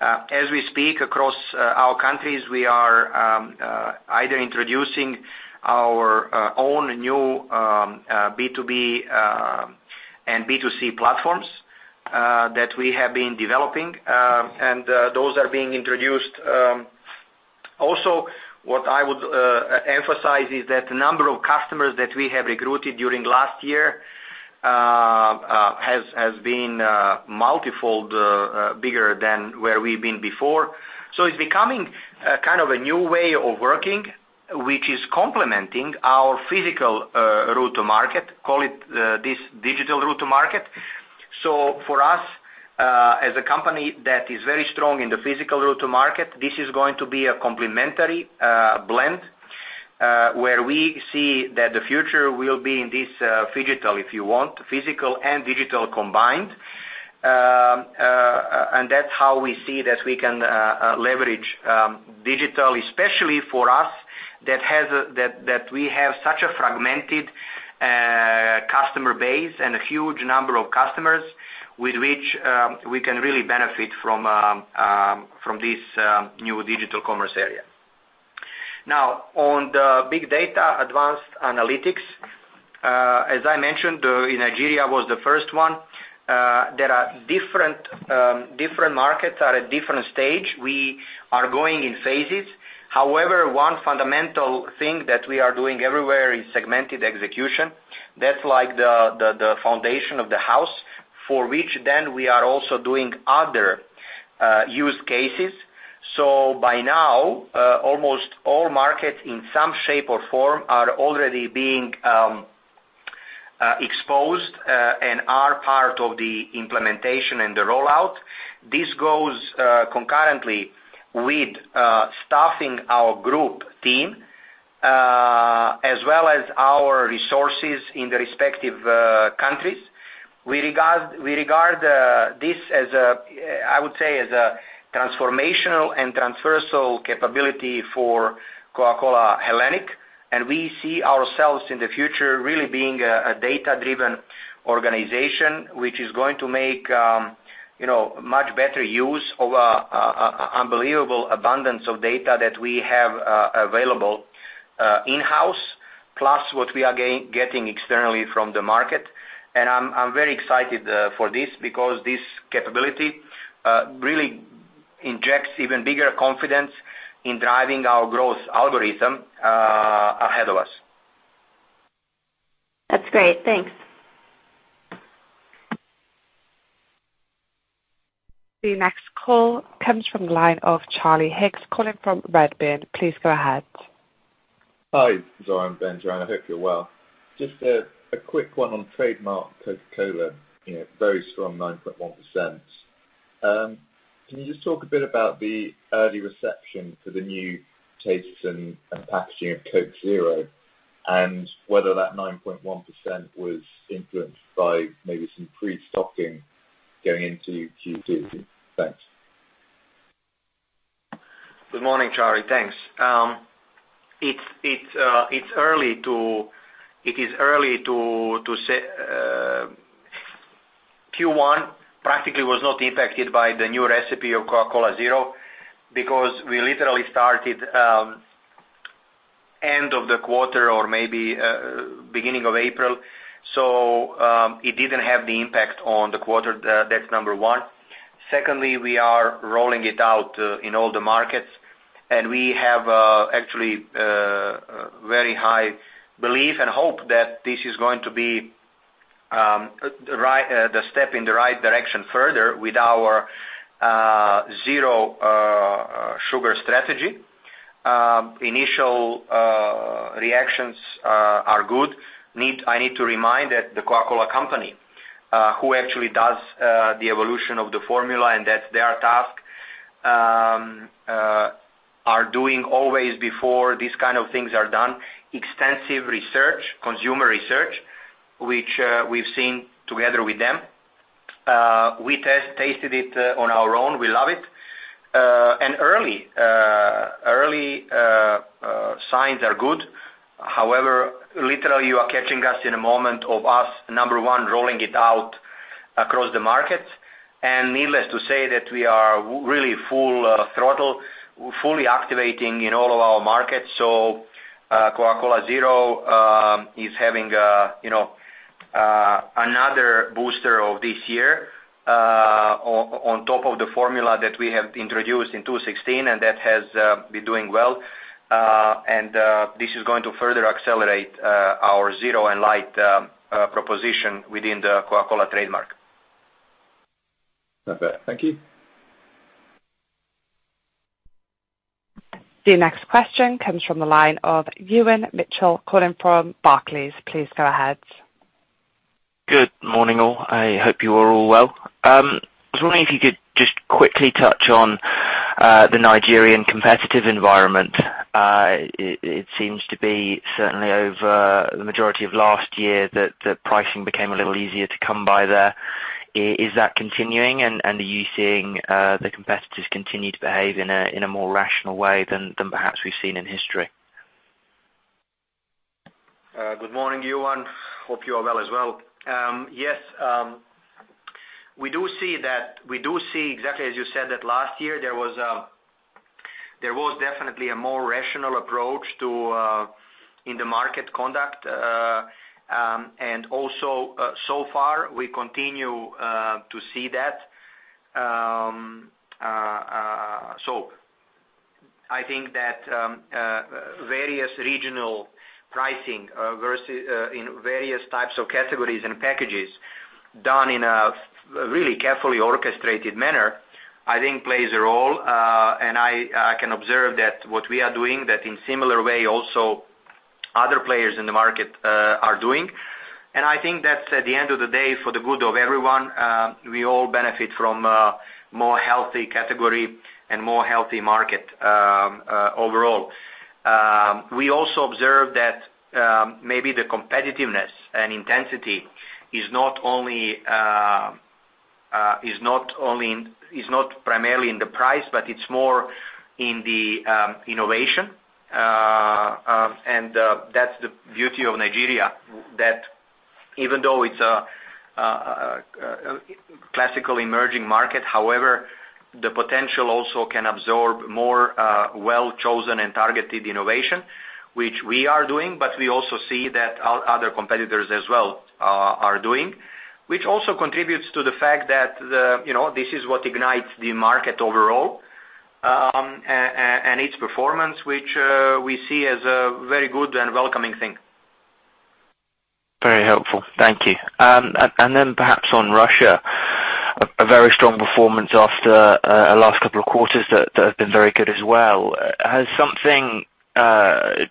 As we speak across our countries, we are either introducing our own new B2B and B2C platforms that we have been developing, and those are being introduced. Also, what I would emphasize is that the number of customers that we have recruited during last year has been multifold, bigger than where we've been before, so it's becoming kind of a new way of working, which is complementing our physical route to market, call it this digital route to market. So for us, as a company that is very strong in the physical route to market, this is going to be a complementary blend where we see that the future will be in this physical, if you want, physical and digital combined. And that's how we see that we can leverage digital, especially for us that we have such a fragmented customer base and a huge number of customers with which we can really benefit from this new digital commerce area. Now, on the big data advanced analytics, as I mentioned, Nigeria was the first one. There are different markets at a different stage. We are going in phases. However, one fundamental thing that we are doing everywhere is segmented execution. That's like the foundation of the house for which then we are also doing other use cases. So by now, almost all markets in some shape or form are already being exposed and are part of the implementation and the rollout. This goes concurrently with staffing our group team as well as our resources in the respective countries. We regard this as a, I would say, as a transformational and transversal capability for Coca-Cola HBC. And we see ourselves in the future really being a data-driven organization, which is going to make much better use of an unbelievable abundance of data that we have available in-house, plus what we are getting externally from the market. And I'm very excited for this because this capability really injects even bigger confidence in driving our growth algorithm ahead of us. That's great. Thanks. The next call comes from the line of Charlie Higgs calling from Redburn. Please go ahead. Hi. Zoran, Ben, Joanna. Just a quick one on Trademark Coca-Cola, very strong 9.1%. Can you just talk a bit about the early reception for the new tastes and packaging of Coke Zero and whether that 9.1% was influenced by maybe some pre-stocking going into Q2? Thanks. Good morning, Charlie. Thanks. It's early, too. Q1 practically was not impacted by the new recipe of Coca-Cola Zero because we literally started end of the quarter or maybe beginning of April. So it didn't have the impact on the quarter. That's number one. Secondly, we are rolling it out in all the markets, and we have actually very high belief and hope that this is going to be the step in the right direction further with our zero sugar strategy. Initial reactions are good. I need to remind that the Coca-Cola Company, who actually does the evolution of the formula and that's their task, are doing always before these kind of things are done, extensive research, consumer research, which we've seen together with them. We tasted it on our own. We love it. And early signs are good. However, literally, you are catching us in a moment of us number one rolling it out across the markets. And needless to say that we are really full throttle, fully activating in all of our markets. So Coca-Cola Zero is having another booster of this year on top of the formula that we have introduced in 2016, and that has been doing well. And this is going to further accelerate our zero and light proposition within the Coca-Cola trademark. Perfect. Thank you. The next question comes from the line of Ewan Mitchell calling from Barclays. Please go ahead. Good morning, all. I hope you are all well. I was wondering if you could just quickly touch on the Nigerian competitive environment. It seems to be certainly over the majority of last year that pricing became a little easier to come by there. Is that continuing, and are you seeing the competitors continue to behave in a more rational way than perhaps we've seen in history? Good morning, Ewan. Hope you are well as well. Yes, we do see that we do see, exactly as you said, that last year there was definitely a more rational approach in the market conduct, and also, so far, we continue to see that, so I think that various regional pricing in various types of categories and packages done in a really carefully orchestrated manner, I think, plays a role, and I can observe that what we are doing, that in similar way, also other players in the market are doing, and I think that's at the end of the day, for the good of everyone, we all benefit from a more healthy category and more healthy market overall. We also observe that maybe the competitiveness and intensity is not only primarily in the price, but it's more in the innovation. That's the beauty of Nigeria, that even though it's a classic emerging market, however, the potential also can absorb more well-chosen and targeted innovation, which we are doing, but we also see that other competitors as well are doing, which also contributes to the fact that this is what ignites the market overall and its performance, which we see as a very good and welcoming thing. Very helpful. Thank you, and then perhaps on Russia, a very strong performance after the last couple of quarters that have been very good as well. Has something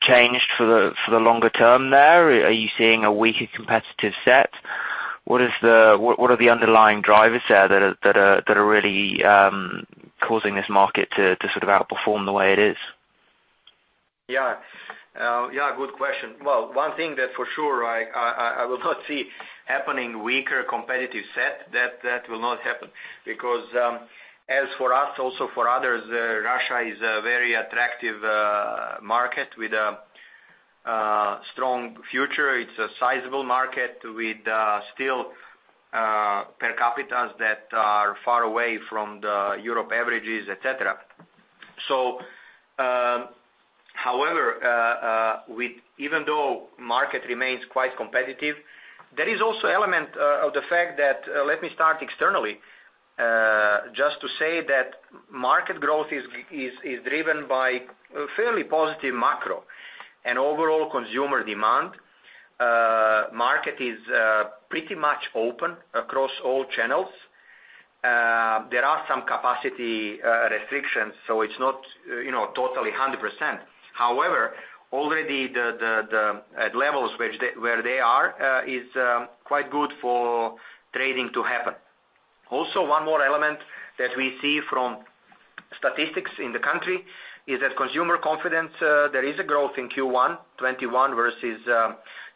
changed for the longer term there? Are you seeing a weaker competitive set? What are the underlying drivers there that are really causing this market to sort of outperform the way it is? Yeah. Yeah. Good question. Well, one thing that for sure I will not see happening, weaker competitive set, that will not happen because as for us, also for others, Russia is a very attractive market with a strong future. It's a sizable market with still per capita that are far away from the European averages, etc. So however, even though the market remains quite competitive, there is also an element of the fact that let me start externally just to say that market growth is driven by fairly positive macro and overall consumer demand. The market is pretty much open across all channels. There are some capacity restrictions, so it's not totally 100%. However, already at levels where they are, it's quite good for trading to happen. Also, one more element that we see from statistics in the country is that consumer confidence. There is a growth in Q1 2021 versus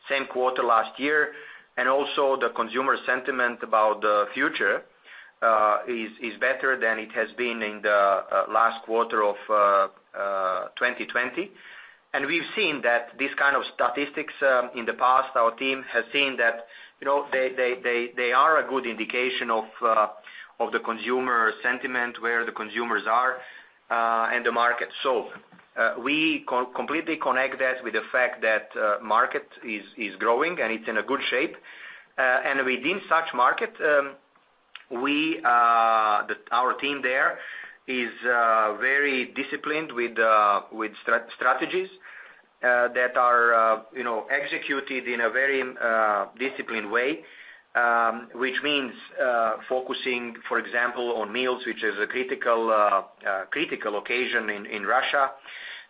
same quarter last year. And also, the consumer sentiment about the future is better than it has been in the last quarter of 2020. And we've seen that these kind of statistics in the past. Our team has seen that they are a good indication of the consumer sentiment, where the consumers are and the market. So we completely connect that with the fact that the market is growing and it's in a good shape. And within such market, our team there is very disciplined with strategies that are executed in a very disciplined way, which means focusing, for example, on meals, which is a critical occasion in Russia.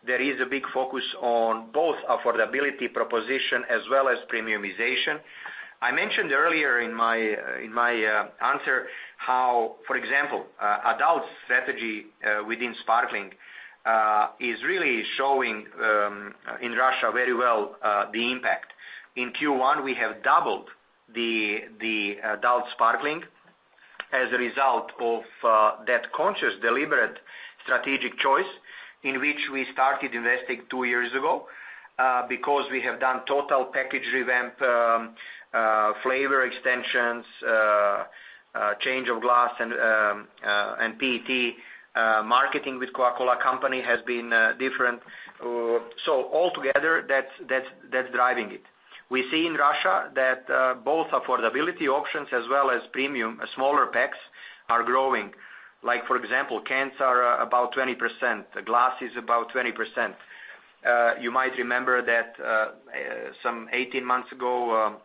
There is a big focus on both affordability proposition as well as premiumization. I mentioned earlier in my answer how, for example, adult strategy within sparkling is really showing in Russia very well the impact. In Q1, we have doubled the adult sparkling as a result of that conscious, deliberate strategic choice in which we started investing two years ago because we have done total package revamp, flavor extensions, change of glass, and PET marketing with Coca-Cola Company has been different. So altogether, that's driving it. We see in Russia that both affordability options as well as premium, smaller packs are growing. For example, cans are about 20%, glass is about 20%. You might remember that some 18 months ago,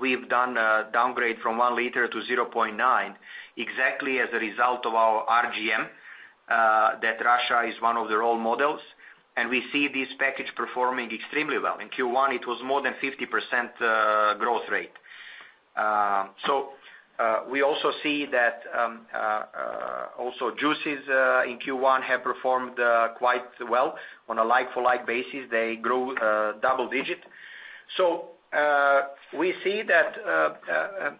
we've done a downgrade from 1 liter to 0.9 exactly as a result of our RGM that Russia is one of the role models. And we see this package performing extremely well. In Q1, it was more than 50% growth rate. We also see that juices in Q1 have performed quite well. On a like-for-like basis, they grew double digit. We see that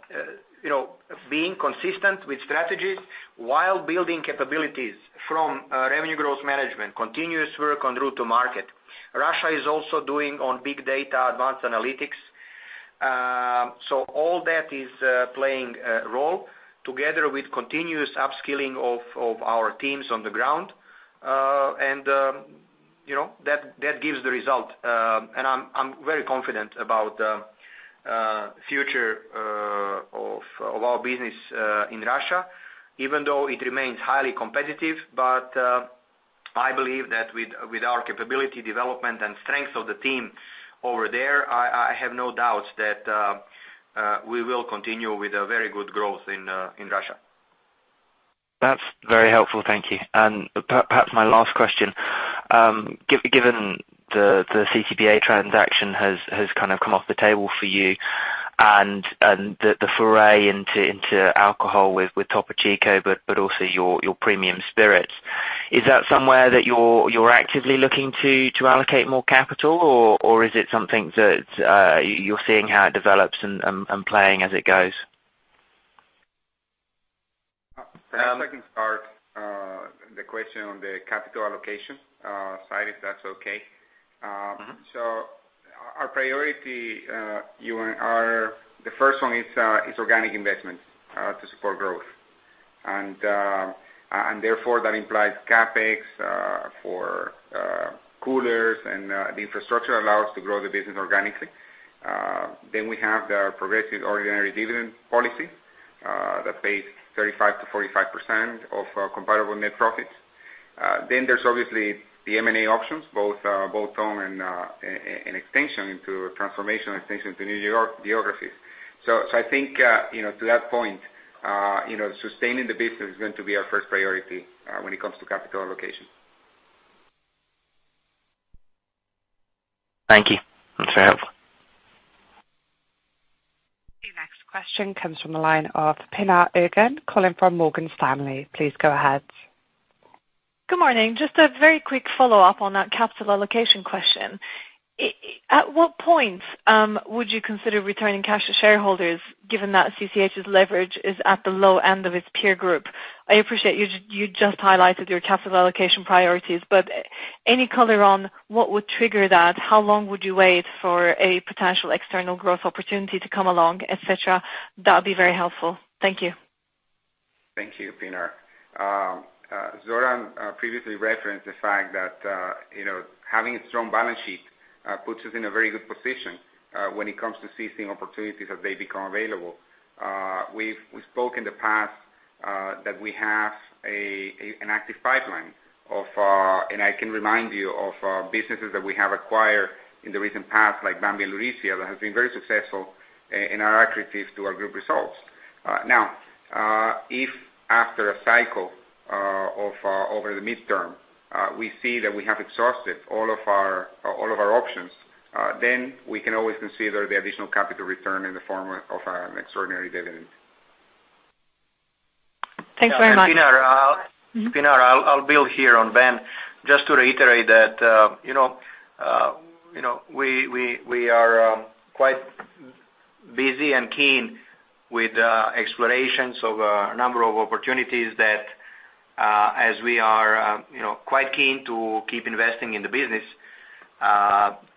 being consistent with strategies while building capabilities from revenue growth management, continuous work on route to market. Russia is also doing on big data advanced analytics. All that is playing a role together with continuous upskilling of our teams on the ground. That gives the result. I'm very confident about the future of our business in Russia, even though it remains highly competitive. I believe that with our capability development and strength of the team over there, I have no doubts that we will continue with a very good growth in Russia. That's very helpful. Thank you. And perhaps my last question, given the CCBA transaction has kind of come off the table for you and the foray into alcohol with Topo Chico, but also your premium spirits, is that somewhere that you're actively looking to allocate more capital, or is it something that you're seeing how it develops and playing as it goes? Perhaps I can start the question on the capital allocation side if that's okay. Our priority, Ewan, are the first one is organic investment to support growth. And therefore, that implies CapEx for coolers and the infrastructure allows to grow the business organically. Then we have the progressive ordinary dividend policy that pays 35%-45% of comparable net profits. Then there's obviously the M&A options, both bolt-on and extension into transformational and extension into new geographies. I think to that point, sustaining the business is going to be our first priority when it comes to capital allocation. Thank you. That's very helpful. The next question comes from the line of Pinar Ergun, calling from Morgan Stanley. Please go ahead. Good morning. Just a very quick follow-up on that capital allocation question. At what point would you consider returning cash to shareholders given that CCH's leverage is at the low end of its peer group? I appreciate you just highlighted your capital allocation priorities, but any color on what would trigger that, how long would you wait for a potential external growth opportunity to come along, etc.? That would be very helpful. Thank you. Thank you, Pinar. Zoran previously referenced the fact that having a strong balance sheet puts us in a very good position when it comes to seizing opportunities as they become available. We've spoken in the past that we have an active pipeline of, and I can remind you of businesses that we have acquired in the recent past like Bambi & Lurisia that has been very successful in our accretive to our group results. Now, if after a cycle of over the midterm, we see that we have exhausted all of our options, then we can always consider the additional capital return in the form of an extraordinary dividend. Thanks very much. Pinar, I'll build here on Ben just to reiterate that we are quite busy and keen with explorations of a number of opportunities that, as we are quite keen to keep investing in the business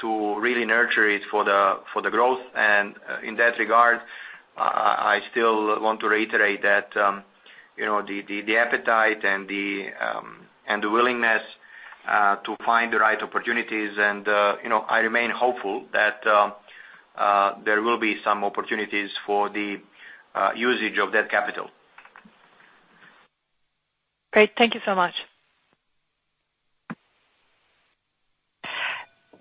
to really nurture it for the growth, and in that regard, I still want to reiterate that the appetite and the willingness to find the right opportunities, and I remain hopeful that there will be some opportunities for the usage of that capital. Great. Thank you so much.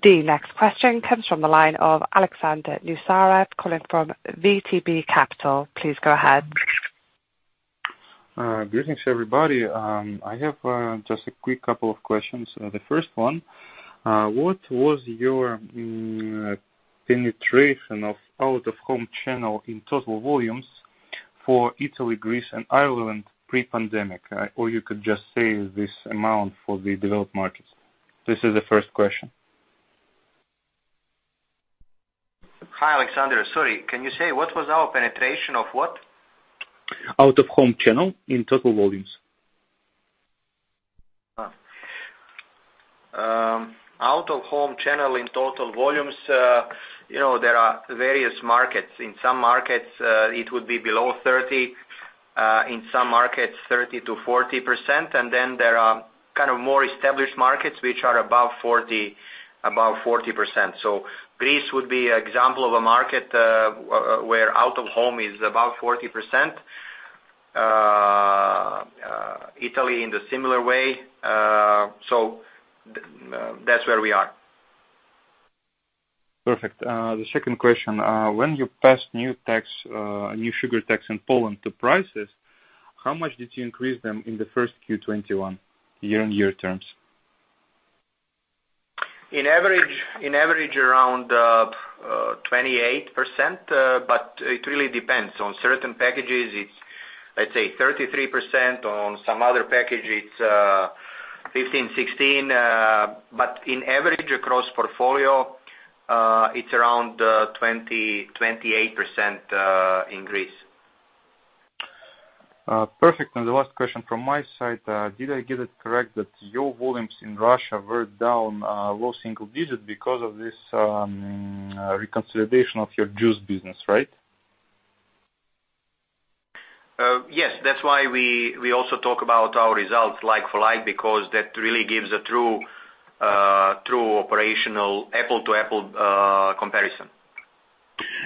The next question comes from the line of Alexander Gnusarev, calling from VTB Capital. Please go ahead. Good evening, everybody. I have just a quick couple of questions. The first one, what was your penetration of out-of-home channel in total volumes for Italy, Greece, and Ireland pre-pandemic? Or you could just say this amount for the developed markets. This is the first question. Hi, Alexander. Sorry, can you say what was our penetration of what? Out-of-home channel in total volumes. Out-of-home channel in total volumes, there are various markets. In some markets, it would be below 30%. In some markets, 30%-40%. And then there are kind of more established markets which are above 40%. So Greece would be an example of a market where out-of-home is about 40%. Italy in the similar way. So that's where we are. Perfect. The second question, when you passed new sugar tax in Poland to prices, how much did you increase them in the first Q1 21 year-on-year terms? On average, around 28%, but it really depends. On certain packages, it's, let's say, 33%. On some other package, it's 15%-16%. But on average, across portfolio, it's around 28% increase. Perfect. And the last question from my side, did I get it correct that your volumes in Russia were down low single digit because of this reconciliation of your juice business, right? Yes. That's why we also talk about our results like-for-like because that really gives a true operational apple-to-apple comparison.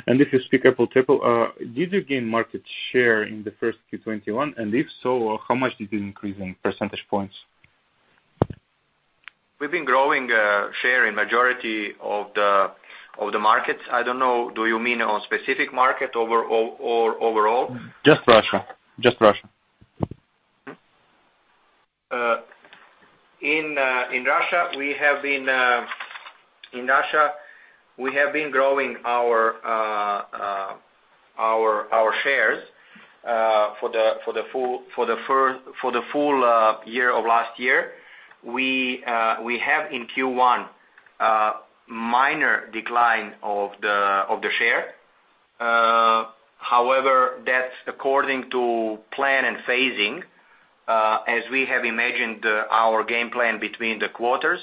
If you speak apples-to-apples, did you gain market share in the first Q1 21? And if so, how much did you increase in percentage points? We've been growing share in majority of the markets. I don't know, do you mean on specific market or overall? Just Russia. Just Russia. In Russia, we have been in Russia, we have been growing our shares for the full-year of last year. We have in Q1 minor decline of the share. However, that's according to plan and phasing as we have imagined our game plan between the quarters,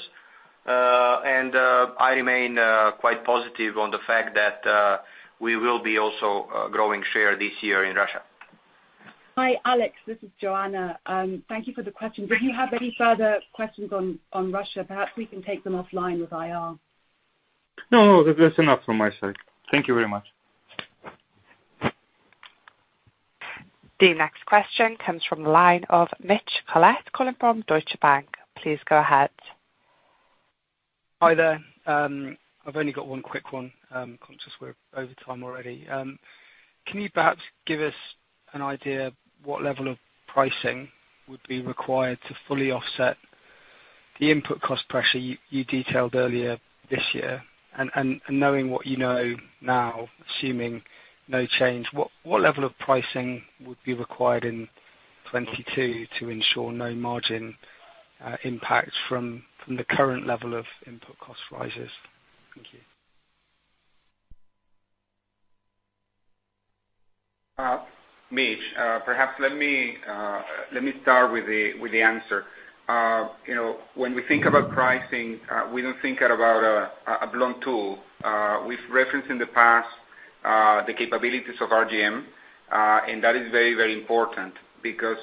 and I remain quite positive on the fact that we will be also growing share this year in Russia. Hi, Alex. This is Joanna. Thank you for the questions. If you have any further questions on Russia, perhaps we can take them offline with IR. No, that's enough from my side. Thank you very much. The next question comes from the line of Mitch Collett, calling from Deutsche Bank. Please go ahead. Hi there. I've only got one quick one. I'm conscious we're over time already. Can you perhaps give us an idea what level of pricing would be required to fully offset the input cost pressure you detailed earlier this year? And knowing what you know now, assuming no change, what level of pricing would be required in 2022 to ensure no margin impact from the current level of input cost rises? Thank you. Mitch, perhaps let me start with the answer. When we think about pricing, we don't think about a blunt tool. We've referenced in the past the capabilities of RGM, and that is very, very important because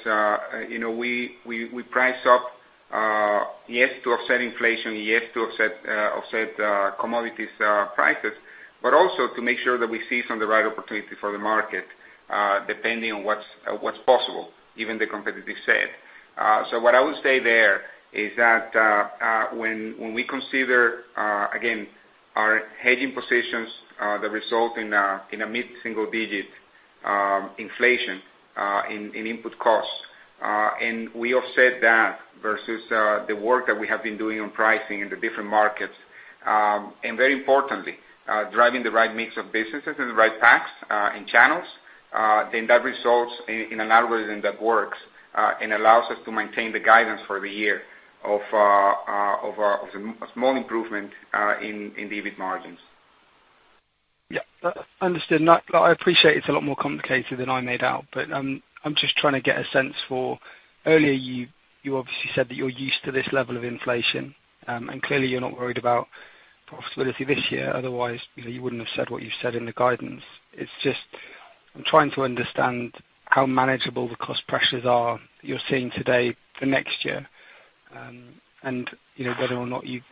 we price up, yes, to offset inflation, yes, to offset commodities prices, but also to make sure that we seize on the right opportunity for the market depending on what's possible, even the competitive set. So what I would say there is that when we consider, again, our hedging positions that result in a mid-single digit inflation in input costs, and we offset that versus the work that we have been doing on pricing in the different markets, and very importantly, driving the right mix of businesses and the right packs and channels, then that results in an algorithm that works and allows us to maintain the guidance for the year of a small improvement in EBIT margins. Yeah. Understood. I appreciate it's a lot more complicated than I made out, but I'm just trying to get a sense for earlier, you obviously said that you're used to this level of inflation, and clearly you're not worried about profitability this year. Otherwise, you wouldn't have said what you've said in the guidance. It's just I'm trying to understand how manageable the cost pressures are that you're seeing today for next year and whether or not it's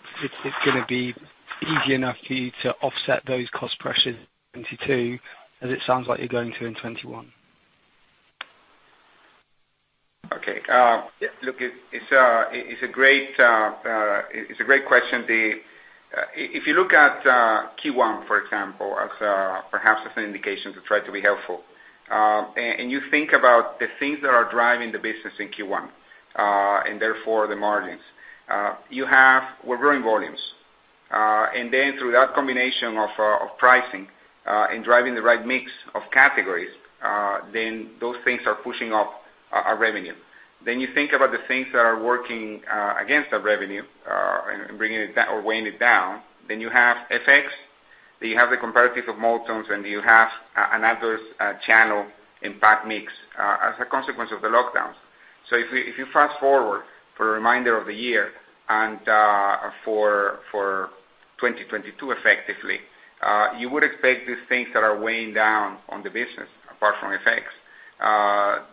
going to be easy enough for you to offset those cost pressures in 2022 as it sounds like you're going to in 2021. Okay. Look, it's a great question. If you look at Q1, for example, perhaps as an indication to try to be helpful, and you think about the things that are driving the business in Q1 and therefore the margins, we're growing volumes. And then through that combination of pricing and driving the right mix of categories, then those things are pushing up our revenue. Then you think about the things that are working against our revenue and bringing it down or weighing it down, then you have FX, then you have the comparative of Multon, and you have an adverse channel impact mix as a consequence of the lockdowns. So if you fast forward for a reminder of the year and for 2022 effectively, you would expect these things that are weighing down on the business apart from FX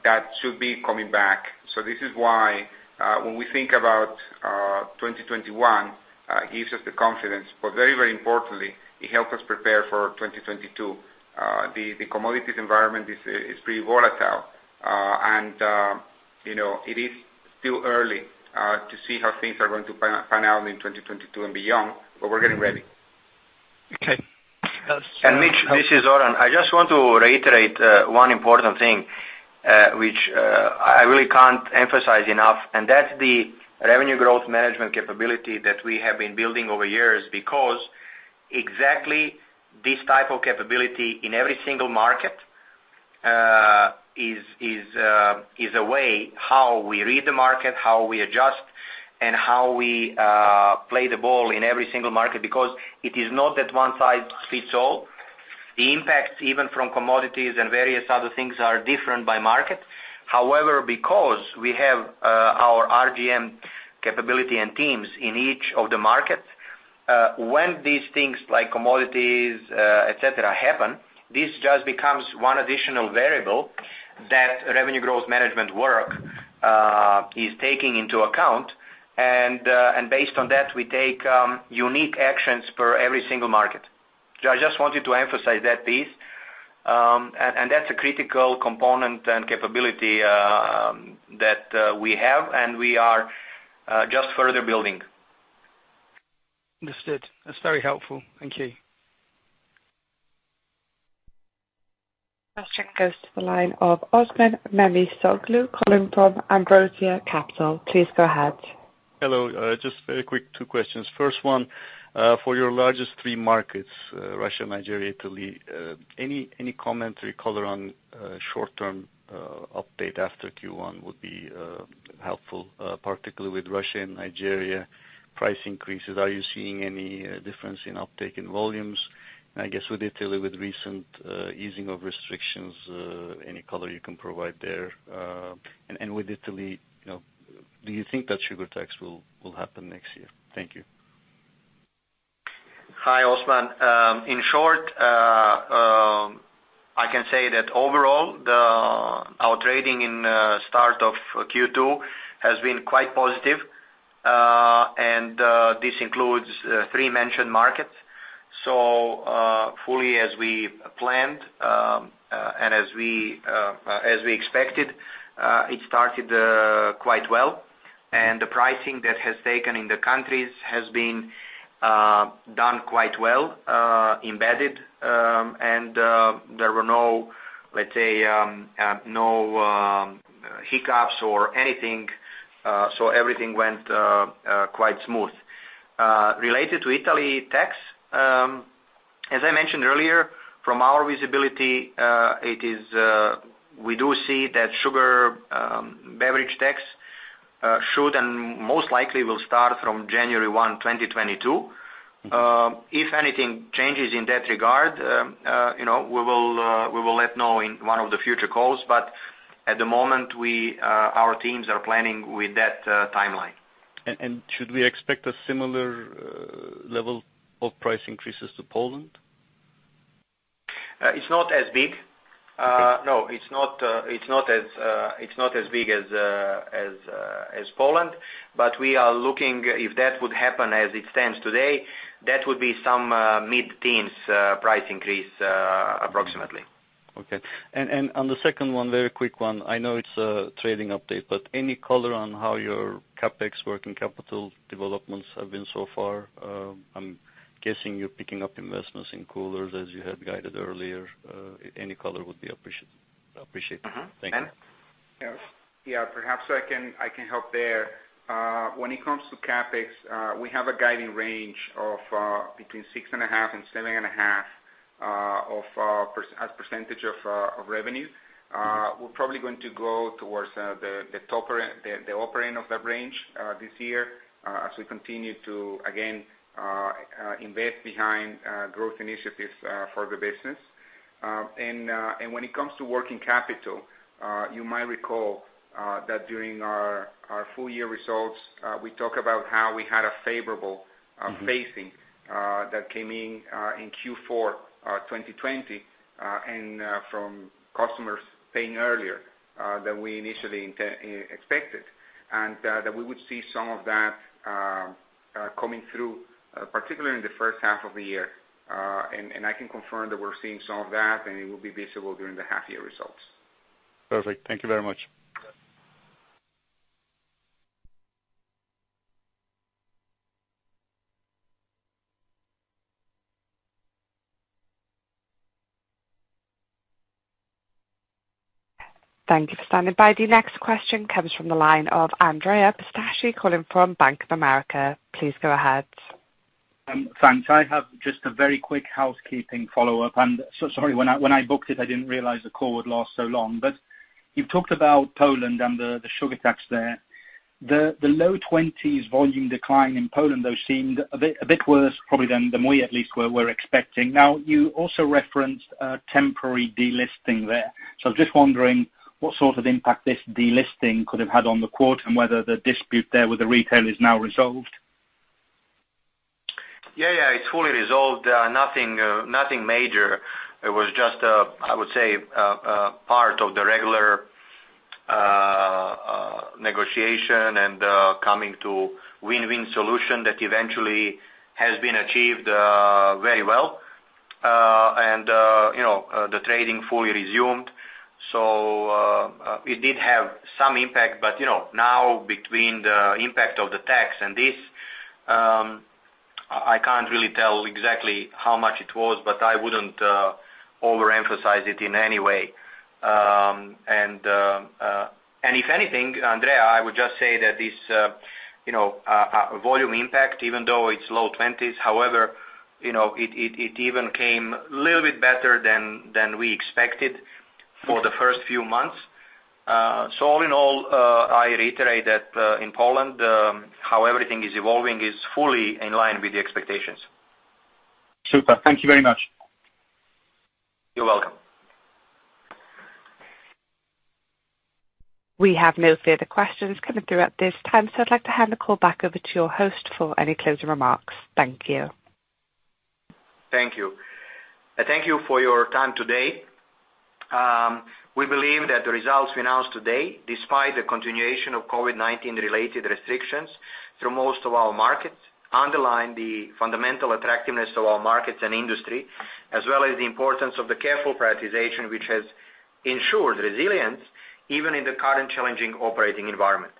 that should be coming back. This is why when we think about 2021, it gives us the confidence, but very, very importantly, it helps us prepare for 2022. The commodities environment is pretty volatile, and it is still early to see how things are going to pan out in 2022 and beyond, but we're getting ready. Okay. Mitch, this is Zoran. I just want to reiterate one important thing which I really can't emphasize enough, and that's the revenue growth management capability that we have been building over years because exactly this type of capability in every single market is a way how we read the market, how we adjust, and how we play the ball in every single market because it is not that one size fits all. The impacts even from commodities and various other things are different by market. However, because we have our RGM capability and teams in each of the markets, when these things like commodities, etc., happen, this just becomes one additional variable that revenue growth management work is taking into account. Based on that, we take unique actions for every single market. I just wanted to emphasize that piece. That's a critical component and capability that we have, and we are just further building. Understood. That's very helpful. Thank you. Question goes to the line of Osman Memisoglu, calling from Ambrosia Capital. Please go ahead. Hello. Just very quick two questions. First one, for your largest three markets, Russia, Nigeria, Italy, any commentary color on short-term update after Q1 would be helpful, particularly with Russia and Nigeria price increases. Are you seeing any difference in uptake in volumes? And I guess with Italy, with recent easing of restrictions, any color you can provide there. And with Italy, do you think that sugar tax will happen next year? Thank you. Hi, Osman. In short, I can say that overall, our trading at the start of Q2 has been quite positive, and this includes three mentioned markets. So fully as we planned and as we expected, it started quite well. And the pricing that has taken in the countries has been done quite well, embedded, and there were no, let's say, no hiccups or anything. So everything went quite smooth. Related to Italy tax, as I mentioned earlier, from our visibility, we do see that sugar beverage tax should and most likely will start from January 1, 2022. If anything changes in that regard, we will let you know in one of the future calls. But at the moment, our teams are planning with that timeline. Should we expect a similar level of price increases to Poland? It's not as big. No, it's not as big as Poland. But we are looking if that would happen as it stands today, that would be some mid-teens price increase approximately. Okay. And on the second one, very quick one, I know it's a trading update, but any color on how your CapEx work in capital developments have been so far? I'm guessing you're picking up investments in coolers as you had guided earlier. Any color would be appreciated. Thank you. Yeah. Perhaps I can help there. When it comes to CapEx, we have a guiding range of between 6.5% and 7.5% of revenue. We're probably going to go towards the upper end of that range this year as we continue to, again, invest behind growth initiatives for the business. And when it comes to working capital, you might recall that during our full-year results, we talked about how we had a favorable phasing that came in in Q4 2020 and from customers paying earlier than we initially expected. And that we would see some of that coming through, particularly in the first half of the year. And I can confirm that we're seeing some of that, and it will be visible during the half-year results. Perfect. Thank you very much. Thank you for standing by. The next question comes from the line of Andrea Pistacchi, calling from Bank of America. Please go ahead. Thanks. I have just a very quick housekeeping follow-up. And sorry, when I booked it, I didn't realize the call would last so long. But you've talked about Poland and the sugar tax there. The low-20s volume decline in Poland, though, seemed a bit worse probably than we at least were expecting. Now, you also referenced temporary delisting there. So I'm just wondering what sort of impact this delisting could have had on the quarter and whether the dispute there with the retailer is now resolved? Yeah, yeah. It's fully resolved. Nothing major. It was just, I would say, part of the regular negotiation and coming to a win-win solution that eventually has been achieved very well, and the trading fully resumed, so it did have some impact, but now between the impact of the tax and this, I can't really tell exactly how much it was, but I wouldn't overemphasize it in any way, and if anything, Andrea, I would just say that this volume impact, even though it's low 20s, however, it even came a little bit better than we expected for the first few months, so all in all, I reiterate that in Poland, how everything is evolving is fully in line with the expectations. Super. Thank you very much. You're welcome. We have no further questions coming through at this time, so I'd like to hand the call back over to your host for any closing remarks. Thank you. Thank you. Thank you for your time today. We believe that the results we announced today, despite the continuation of COVID-19-related restrictions through most of our markets, underline the fundamental attractiveness of our markets and industry, as well as the importance of the careful prioritization, which has ensured resilience even in the current challenging operating environment.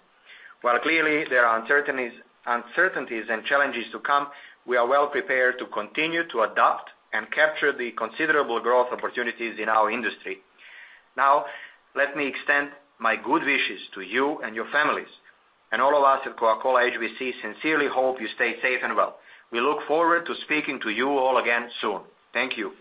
While clearly there are uncertainties and challenges to come, we are well prepared to continue to adapt and capture the considerable growth opportunities in our industry. Now, let me extend my good wishes to you and your families. And all of us at Coca-Cola HBC sincerely hope you stay safe and well. We look forward to speaking to you all again soon. Thank you.